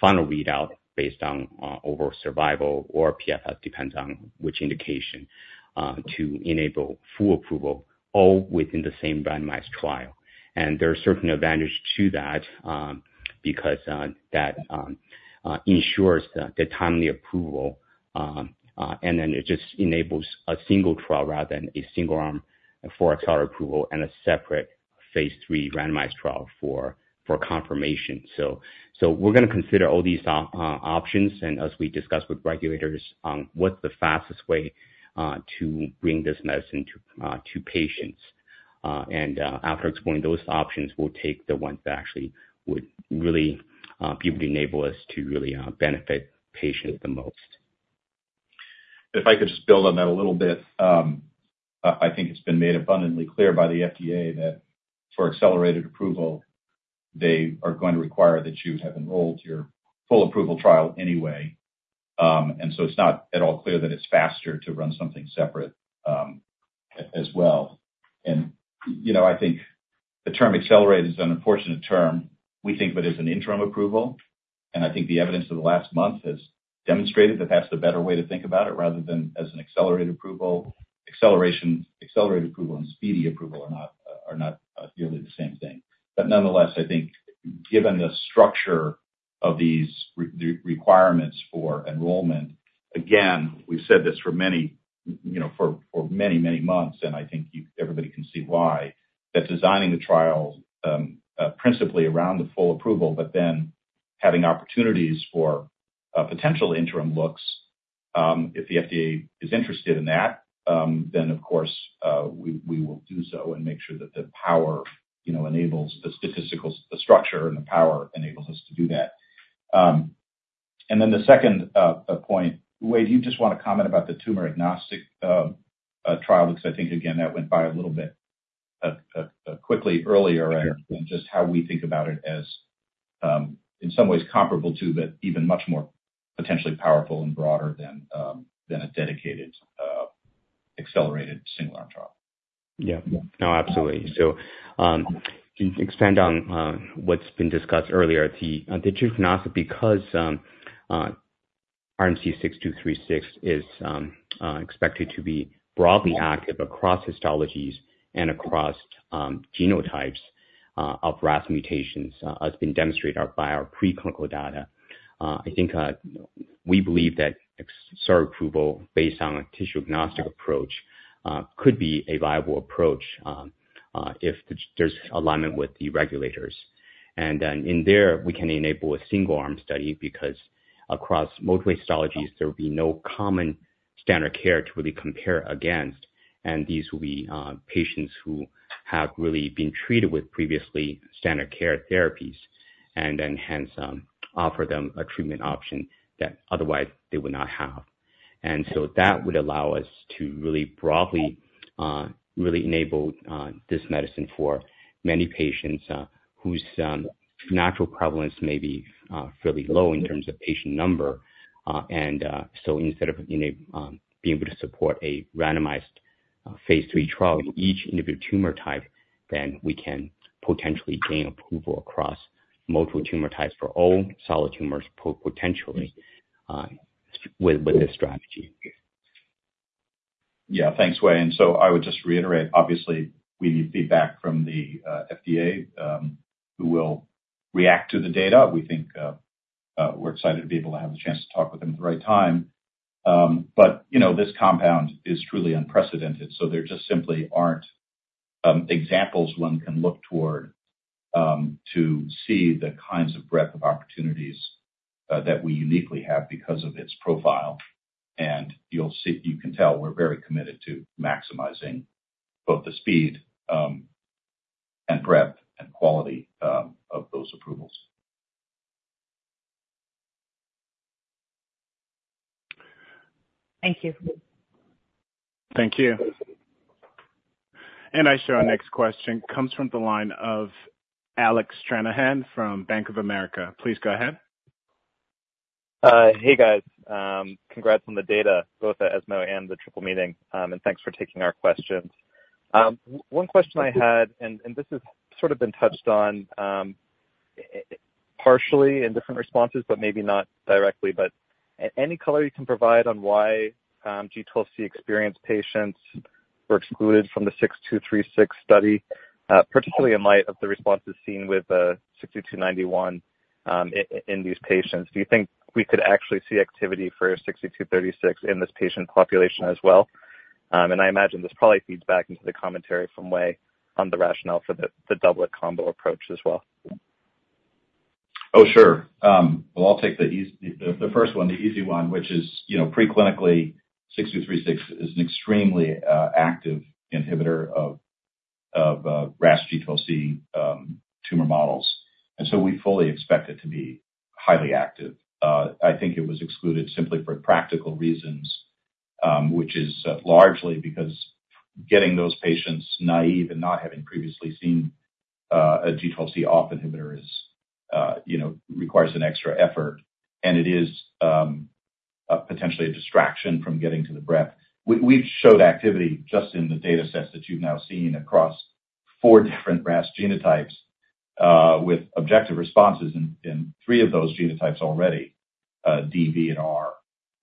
final readout based on, overall survival or PFS, depends on which indication, to enable full approval, all within the same randomized trial. And there are certain advantages to that, because that ensures the timely approval, and then it just enables a single trial rather than a single-arm for accelerated approval and a separate phase 3 randomized trial for confirmation. So we're gonna consider all these options, and as we discuss with regulators on what's the fastest way to bring this medicine to patients. After exploring those options, we'll take the ones that actually would really be able to enable us to really benefit patients the most. If I could just build on that a little bit. I think it's been made abundantly clear by the FDA that for accelerated approval, they are going to require that you have enrolled your full approval trial anyway. And so it's not at all clear that it's faster to run something separate, as well. And, you know, I think the term accelerated is an unfortunate term. We think of it as an interim approval, and I think the evidence of the last month has demonstrated that that's the better way to think about it, rather than as an accelerated approval. Acceleration, accelerated approval and speedy approval are not nearly the same thing. But nonetheless, I think given the structure of these the requirements for enrollment, again, we've said this for many, you know, for, for many, many months, and I think you everybody can see why, that designing the trials principally around the full approval, but then having opportunities for potential interim looks if the FDA is interested in that, then of course we will do so and make sure that the power, you know, enables the statistical, the structure and the power enables us to do that. And then the second point, Wei, do you just want to comment about the tumor-agnostic trial? Because I think, again, that went by a little bit quickly earlier. Sure. Just how we think about it as, in some ways comparable to, but even much more potentially powerful and broader than, than a dedicated, accelerated single arm trial. Yeah. No, absolutely. So, to expand on what's been discussed earlier, the tissue-agnostic, because RMC-6236 is expected to be broadly active across histologies and across genotypes of RAS mutations has been demonstrated by our preclinical data. I think we believe that accelerated approval based on a tissue-agnostic approach could be a viable approach if there's alignment with the regulators. And then in there, we can enable a single-arm study, because across multiple histologies, there will be no common standard care to really compare against, and these will be patients who have really been treated with previously standard care therapies, and then hence offer them a treatment option that otherwise they would not have. That would allow us to really broadly really enable this medicine for many patients whose natural prevalence may be fairly low in terms of patient number. So instead of being able to support a randomized phase 3 trial in each individual tumor type, then we can potentially gain approval across multiple tumor types for all solid tumors potentially with this strategy. Yeah. Thanks, Wei. And so I would just reiterate, obviously, we need feedback from the FDA, who will react to the data. We think, we're excited to be able to have the chance to talk with them at the right time. But, you know, this compound is truly unprecedented, so there just simply aren't examples one can look toward to see the kinds of breadth of opportunities that we uniquely have because of its profile. And you'll see, you can tell we're very committed to maximizing both the speed and breadth and quality of those approvals. Thank you. Thank you. I show our next question comes from the line of Alec Stranahan from Bank of America. Please go ahead. Hey, guys. Congrats on the data, both at ESMO and the Triple Meeting. And thanks for taking our questions. One question I had, and this has sort of been touched on partially in different responses, but maybe not directly. But any color you can provide on why G12C-experienced patients were excluded from the 6236 study, particularly in light of the responses seen with 6291 in these patients. Do you think we could actually see activity for 6236 in this patient population as well? And I imagine this probably feeds back into the commentary from Wei on the rationale for the doublet combo approach as well.... Oh, sure. Well, I'll take the first one, the easy one, which is, you know, preclinically, 6236 is an extremely active inhibitor of RAS G12C tumor models, and so we fully expect it to be highly active. I think it was excluded simply for practical reasons, which is largely because getting those patients naive and not having previously seen a G12C OFF inhibitor is, you know, requires an extra effort, and it is a potentially a distraction from getting to the breadth. We've showed activity just in the data sets that you've now seen across four different RAS genotypes, with objective responses in three of those genotypes already, D, V, and R.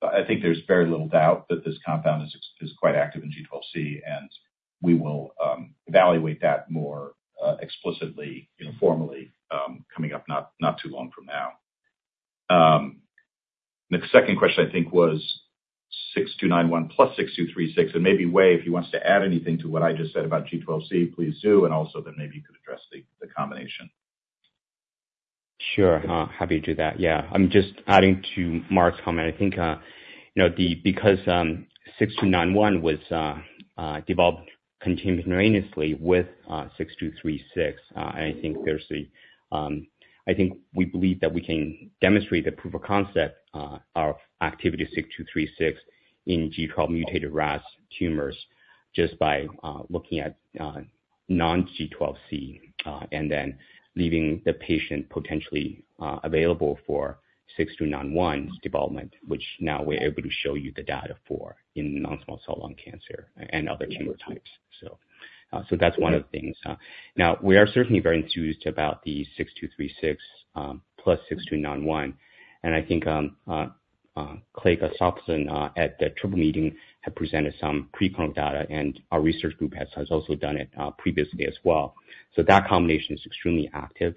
I think there's very little doubt that this compound is quite active in G12C, and we will evaluate that more explicitly, informally, coming up not too long from now. The second question, I think, was 6291 plus 6236, and maybe Wei, if he wants to add anything to what I just said about G12C, please do, and also then maybe you could address the combination. Sure. Happy to do that. Yeah. I'm just adding to Mark's comment. I think, you know, the, because, 6291 was developed contemporaneously with, 6236, and I think there's a... I think we believe that we can demonstrate the proof of concept, of activity of 6236 in G12 mutated RAS tumors, just by, looking at, non-G12C, and then leaving the patient potentially, available for 6291's development, which now we're able to show you the data for in non-small cell lung cancer and other tumor types. So, so that's one of the things. Now we are certainly very enthused about the 6236, plus 6291, and I think, Clayton Gustafson, at the Triple Meeting, had presented some preclinical data, and our research group has also done it, previously as well. So that combination is extremely active.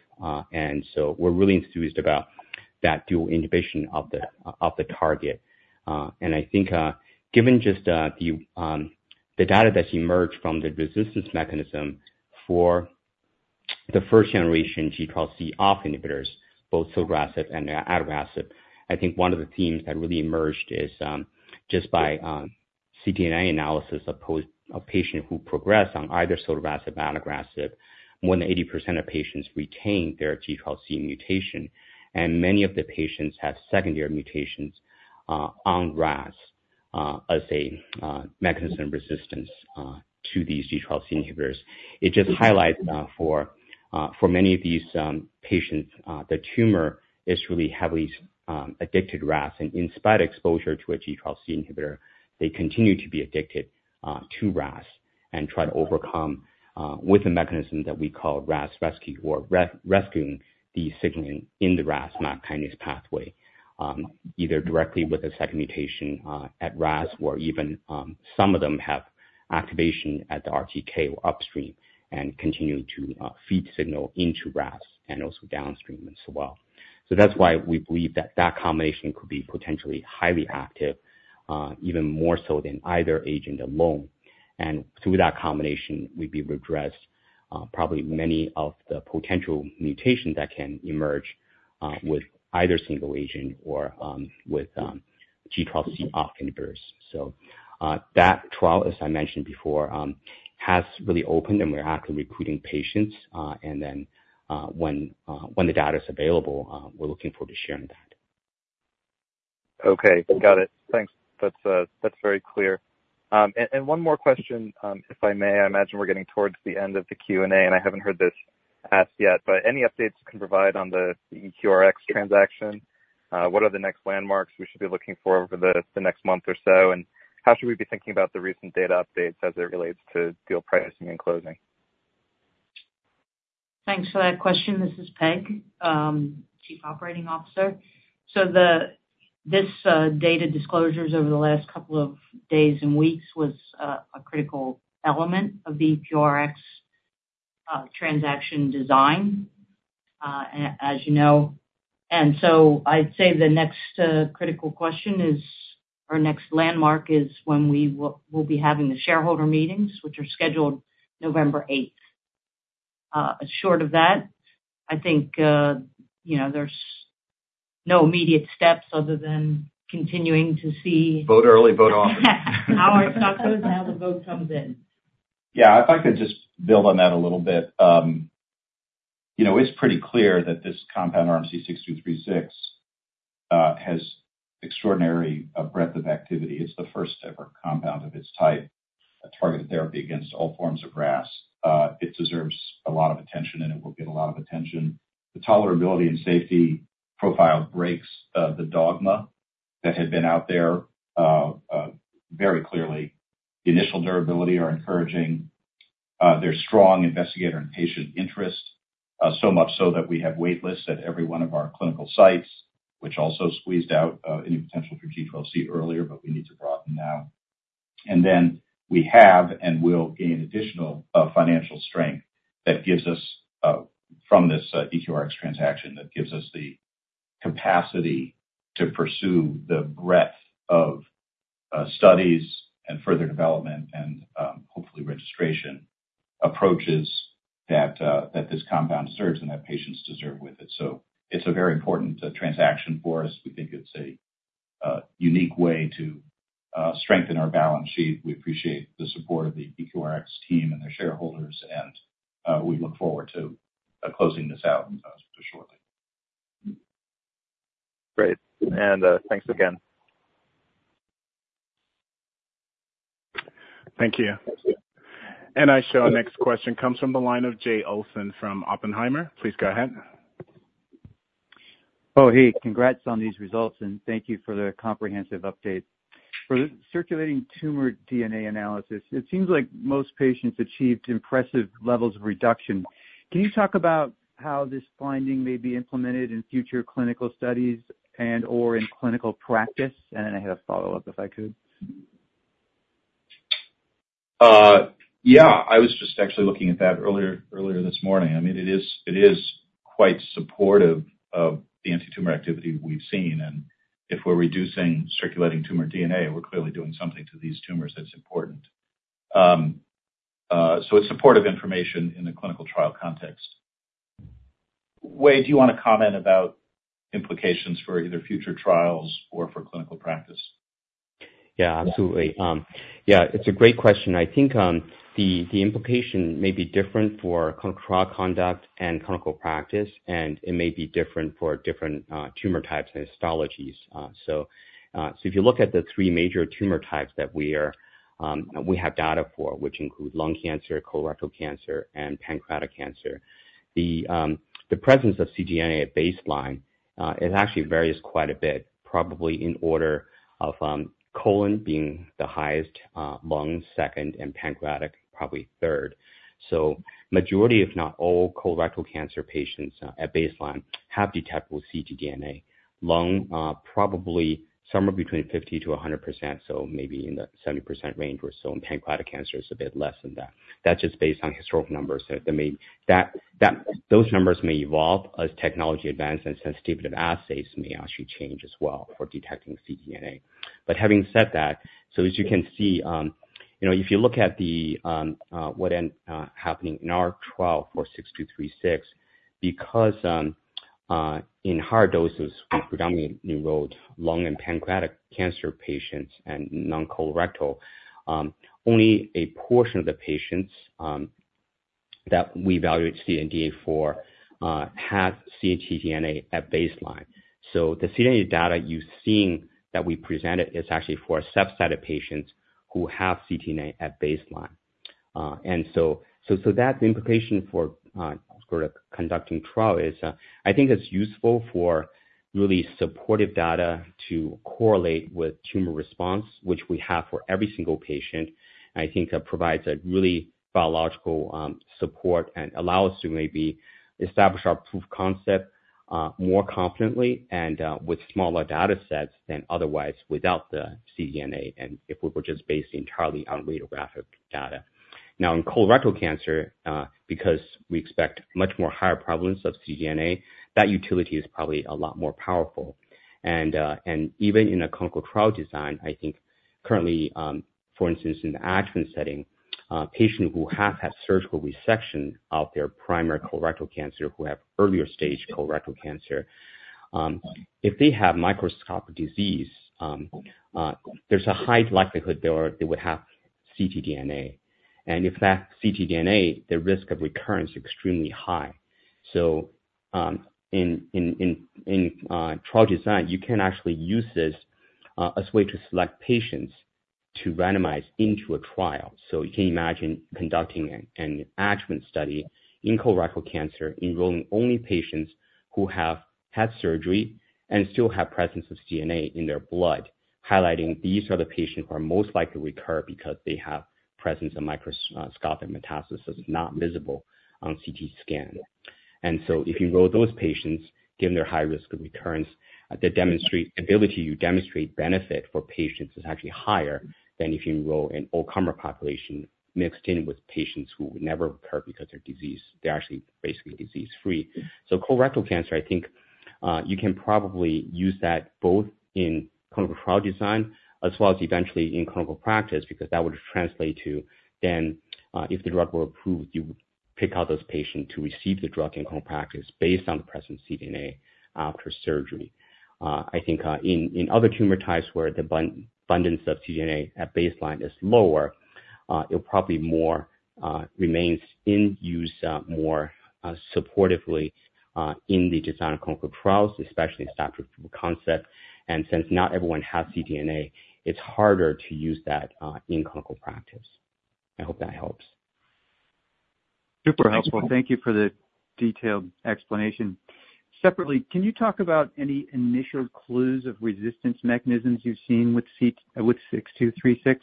And so we're really enthused about that dual inhibition of the, of the target. And I think, given just, the data that's emerged from the resistance mechanism for the first generation G12C OFF inhibitors, both sotorasib and adagrasib, I think one of the themes that really emerged is, just by, ctDNA analysis of patients who progress on either sotorasib or adagrasib, more than 80% of patients retain their G12C mutation, and many of the patients have secondary mutations, on RAS, as a, mechanism resistance, to these G12C inhibitors. It just highlights for many of these patients the tumor is really heavily addicted to RAS, and in spite of exposure to a G12C inhibitor, they continue to be addicted to RAS and try to overcome with a mechanism that we call RAS rescue or rescuing the signaling in the RAS-MAP kinase pathway, either directly with a second mutation at RAS, or even some of them have activation at the RTK upstream and continue to feed signal into RAS and also downstream as well. So that's why we believe that combination could be potentially highly active, even more so than either agent alone. And through that combination, we'd be able to address probably many of the potential mutations that can emerge with either single agent or with G12C off inhibitors. So, that trial, as I mentioned before, has really opened, and we're actively recruiting patients, and then, when the data is available, we're looking forward to sharing that. Okay. Got it. Thanks. That's very clear. One more question, if I may. I imagine we're getting toward the end of the Q&A, and I haven't heard this asked yet, but any updates you can provide on the EQRx transaction? What are the next milestones we should be looking for over the next month or so, and how should we be thinking about the recent data updates as it relates to deal pricing and closing? Thanks for that question. This is Peg, Chief Operating Officer. So this data disclosures over the last couple of days and weeks was a critical element of the EQRx transaction design, as you know, and so I'd say the next critical question is, or next landmark is when we will be having the shareholder meetings, which are scheduled November eighth. Short of that, I think, you know, there's no immediate steps other than continuing to see- Vote early, vote often. How our stock goes and how the vote comes in. Yeah, I'd like to just build on that a little bit. You know, it's pretty clear that this compound, RMC-6236, has extraordinary breadth of activity. It's the first-ever compound of its type, a targeted therapy against all forms of RAS. It deserves a lot of attention, and it will get a lot of attention. The tolerability and safety profile breaks the dogma that had been out there very clearly. The initial durability are encouraging. There's strong investigator and patient interest, so much so that we have wait lists at every one of our clinical sites, which also squeezed out any potential for G12C earlier, but we need to broaden now. And then we have, and will gain additional financial strength that gives us from this EQRx transaction, that gives us the-... capacity to pursue the breadth of studies and further development and hopefully registration approaches that this compound deserves and that patients deserve with it. So it's a very important transaction for us. We think it's a unique way to strengthen our balance sheet. We appreciate the support of the EQRx team and their shareholders, and we look forward to closing this out shortly. Great, and, thanks again. Thank you. Our next question comes from the line of Jay Olson from Oppenheimer. Please go ahead. Oh, hey, congrats on these results, and thank you for the comprehensive update. For the circulating tumor DNA analysis, it seems like most patients achieved impressive levels of reduction. Can you talk about how this finding may be implemented in future clinical studies and/or in clinical practice? I had a follow-up, if I could. Yeah, I was just actually looking at that earlier, earlier this morning. I mean, it is, it is quite supportive of the antitumor activity we've seen, and if we're reducing circulating tumor DNA, we're clearly doing something to these tumors that's important. So it's supportive information in the clinical trial context. Wei, do you wanna comment about implications for either future trials or for clinical practice? Yeah, absolutely. Yeah, it's a great question. I think, the implication may be different for clinical trial conduct and clinical practice, and it may be different for different tumor types and histologies. So, if you look at the 3 major tumor types that we have data for, which include lung cancer, colorectal cancer, and pancreatic cancer, the presence of ctDNA at baseline, it actually varies quite a bit, probably in order of colon being the highest, lung second, and pancreatic probably third. So majority, if not all, colorectal cancer patients at baseline have detectable ctDNA. Lung, probably somewhere between 50 to 100%, so maybe in the 70% range or so, and pancreatic cancer is a bit less than that. That's just based on historical numbers. That means those numbers may evolve as technology advances, and sensitivity of assays may actually change as well for detecting ctDNA. Having said that, as you can see, you know, if you look at what ended up happening in our trial for 6236, because in higher doses, predominantly enrolled lung and pancreatic cancer patients and non-colorectal, only a portion of the patients that we evaluate ctDNA for have ctDNA at baseline. The ctDNA data you're seeing that we presented is actually for a subset of patients who have ctDNA at baseline. So that implication for conducting trial is, I think it's useful for really supportive data to correlate with tumor response, which we have for every single patient. I think that provides a really biological support and allows us to maybe establish our proof of concept more confidently and with smaller data sets than otherwise without the ctDNA and if we were just based entirely on radiographic data. Now, in colorectal cancer, because we expect much more higher prevalence of ctDNA, that utility is probably a lot more powerful. And even in a clinical trial design, I think currently, for instance, in the adjuvant setting, patient who have had surgical resection of their primary colorectal cancer, who have earlier stage colorectal cancer, if they have microscopic disease, there's a high likelihood they would have ctDNA. And if that ctDNA, the risk of recurrence is extremely high. So, in trial design, you can actually use this as way to select patients to randomize into a trial. So you can imagine conducting an adjuvant study in colorectal cancer, enrolling only patients who have had surgery and still have presence of DNA in their blood, highlighting these are the patients who are most likely to recur because they have presence of microscopic metastasis, not visible on CT scan. And so if you enroll those patients, given their high risk of recurrence, they demonstrate ability to demonstrate benefit for patients is actually higher than if you enroll an all-comer population mixed in with patients who would never recur because their disease, they're actually basically disease-free. So colorectal cancer, I think, you can probably use that both in clinical trial design as well as eventually in clinical practice, because that would translate to then, if the drug were approved, you would pick out those patients to receive the drug in clinical practice based on the present ctDNA after surgery. I think, in other tumor types where the abundance of ctDNA at baseline is lower, it'll probably more remains in use, more supportively, in the design of clinical trials, especially in standard concept. And since not everyone has ctDNA, it's harder to use that in clinical practice. I hope that helps. Super helpful. Thank you for the detailed explanation. Separately, can you talk about any initial clues of resistance mechanisms you've seen with RMC-6236?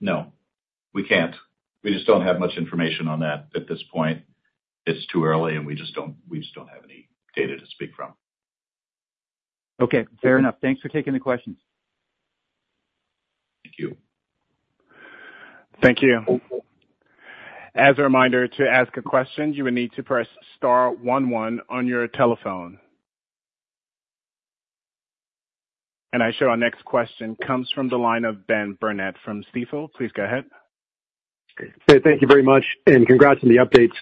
No, we can't. We just don't have much information on that at this point. It's too early, and we just don't, we just don't have any data to speak from. Okay, fair enough. Thanks for taking the questions.... Thank you. Thank you. As a reminder, to ask a question, you will need to press star one one on your telephone. I show our next question comes from the line of Ben Burnett from Stifel. Please go ahead. Hey, thank you very much, and congrats on the updates.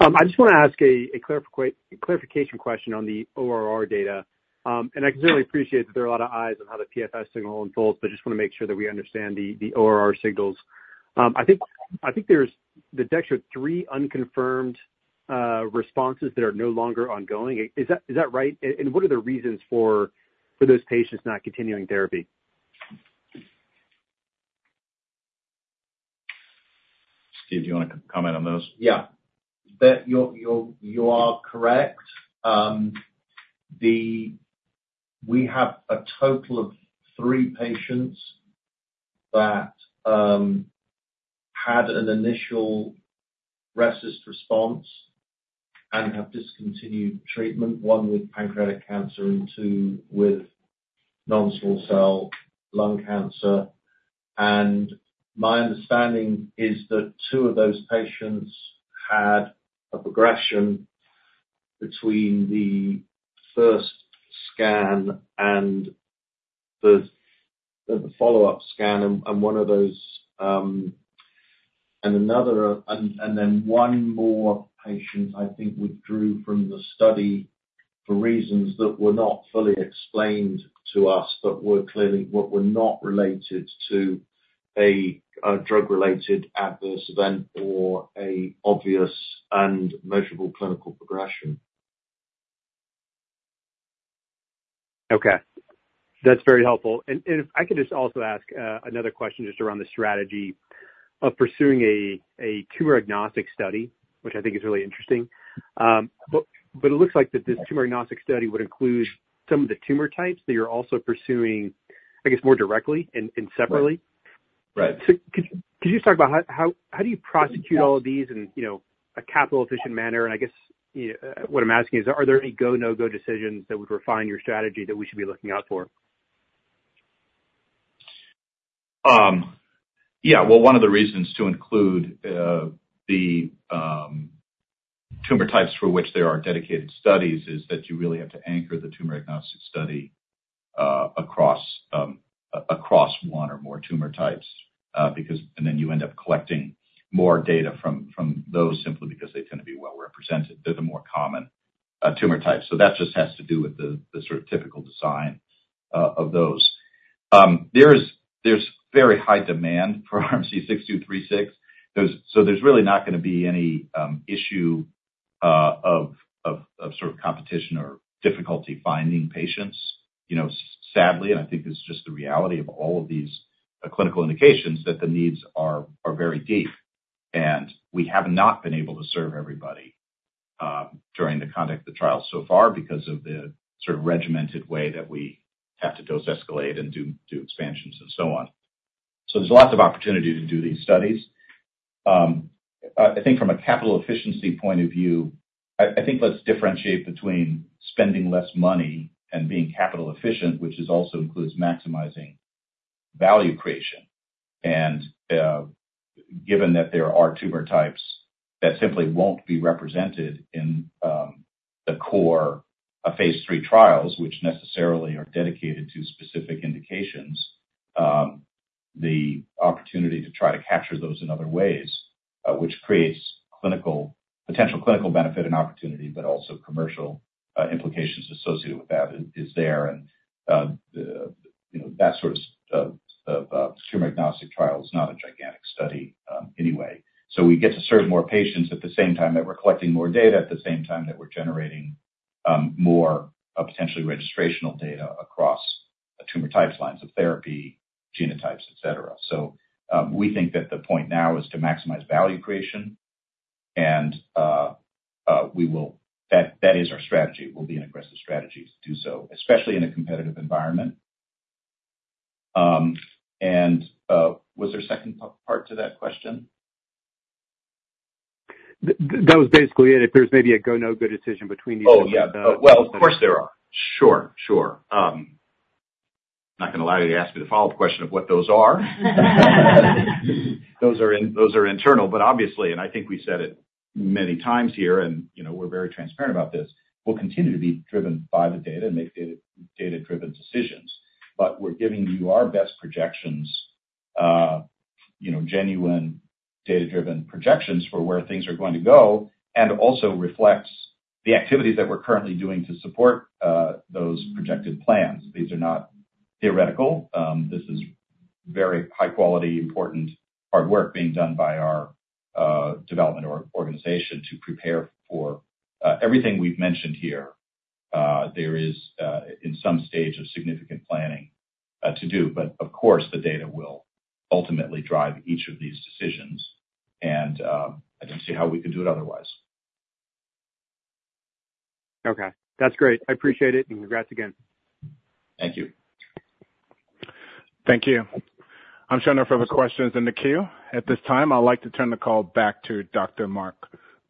I just want to ask a clarification question on the ORR data. And I can really appreciate that there are a lot of eyes on how the PFS signal unfolds, but just want to make sure that we understand the ORR signals. I think there are three unconfirmed responses that are no longer ongoing. Is that right? And what are the reasons for those patients not continuing therapy? Steve, do you want to comment on those? Yeah. Ben, you're correct. We have a total of three patients that had an initial RECIST response and have discontinued treatment, one with pancreatic cancer and two with non-small cell lung cancer. My understanding is that two of those patients had a progression between the first scan and the follow-up scan, and one more patient, I think, withdrew from the study for reasons that were not fully explained to us, but were not related to a drug-related adverse event or an obvious and measurable clinical progression. Okay, that's very helpful. And if I could just also ask another question just around the strategy of pursuing a tumor agnostic study, which I think is really interesting. But it looks like that this tumor agnostic study would include some of the tumor types that you're also pursuing, I guess, more directly and separately. Right. So could you just talk about how do you prosecute all of these in, you know, a capital efficient manner? And I guess, what I'm asking is, are there any go, no-go decisions that would refine your strategy that we should be looking out for? Yeah, well, one of the reasons to include the tumor types for which there are dedicated studies is that you really have to anchor the tumor agnostic study across one or more tumor types because and then you end up collecting more data from those simply because they tend to be well represented. They're the more common tumor types. So that just has to do with the sort of typical design of those. There's very high demand for RMC-6236. So there's really not gonna be any issue of sort of competition or difficulty finding patients. You know, sadly, and I think this is just the reality of all of these, clinical indications, that the needs are very deep, and we have not been able to serve everybody, during the conduct of the trial so far because of the sort of regimented way that we have to dose, escalate, and do expansions and so on. So there's lots of opportunity to do these studies. I think from a capital efficiency point of view, I think let's differentiate between spending less money and being capital efficient, which is also includes maximizing value creation. And, given that there are tumor types that simply won't be represented in, the core, phase 3 trials, which necessarily are dedicated to specific indications, the opportunity to try to capture those in other ways, which creates clinical... potential clinical benefit and opportunity, but also commercial implications associated with that is there. And the, you know, that sort of tumor agnostic trial is not a gigantic study, anyway. So we get to serve more patients at the same time that we're collecting more data, at the same time that we're generating more potentially registrational data across the tumor types, lines of therapy, genotypes, et cetera. So we think that the point now is to maximize value creation, and we will, that is our strategy, will be an aggressive strategy to do so, especially in a competitive environment. And was there a second part to that question? That was basically it. If there's maybe a go, no-go decision between these- Oh, yeah. Well, of course, there are. Sure, sure. I'm not gonna lie to you. You asked me the follow-up question of what those are. Those are internal, but obviously, and I think we said it many times here, and, you know, we're very transparent about this, we'll continue to be driven by the data and make data, data-driven decisions. But we're giving you our best projections, you know, genuine data-driven projections for where things are going to go, and also reflects the activities that we're currently doing to support those projected plans. These are not theoretical. This is very high quality, important hard work being done by our development organization to prepare for everything we've mentioned here, there is in some stage of significant planning to do. Of course, the data will ultimately drive each of these decisions, and, I don't see how we could do it otherwise. Okay. That's great. I appreciate it, and congrats again. Thank you. Thank you. I'm showing no further questions in the queue. At this time, I'd like to turn the call back to Dr. Mark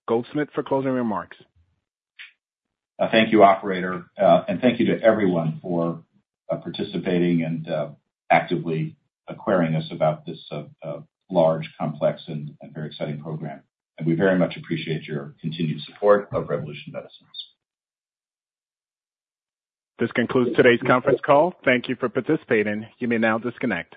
Goldsmith for closing remarks. Thank you, operator. Thank you to everyone for participating and actively querying us about this large, complex and very exciting program. We very much appreciate your continued support of Revolution Medicines. This concludes today's conference call. Thank you for participating. You may now disconnect.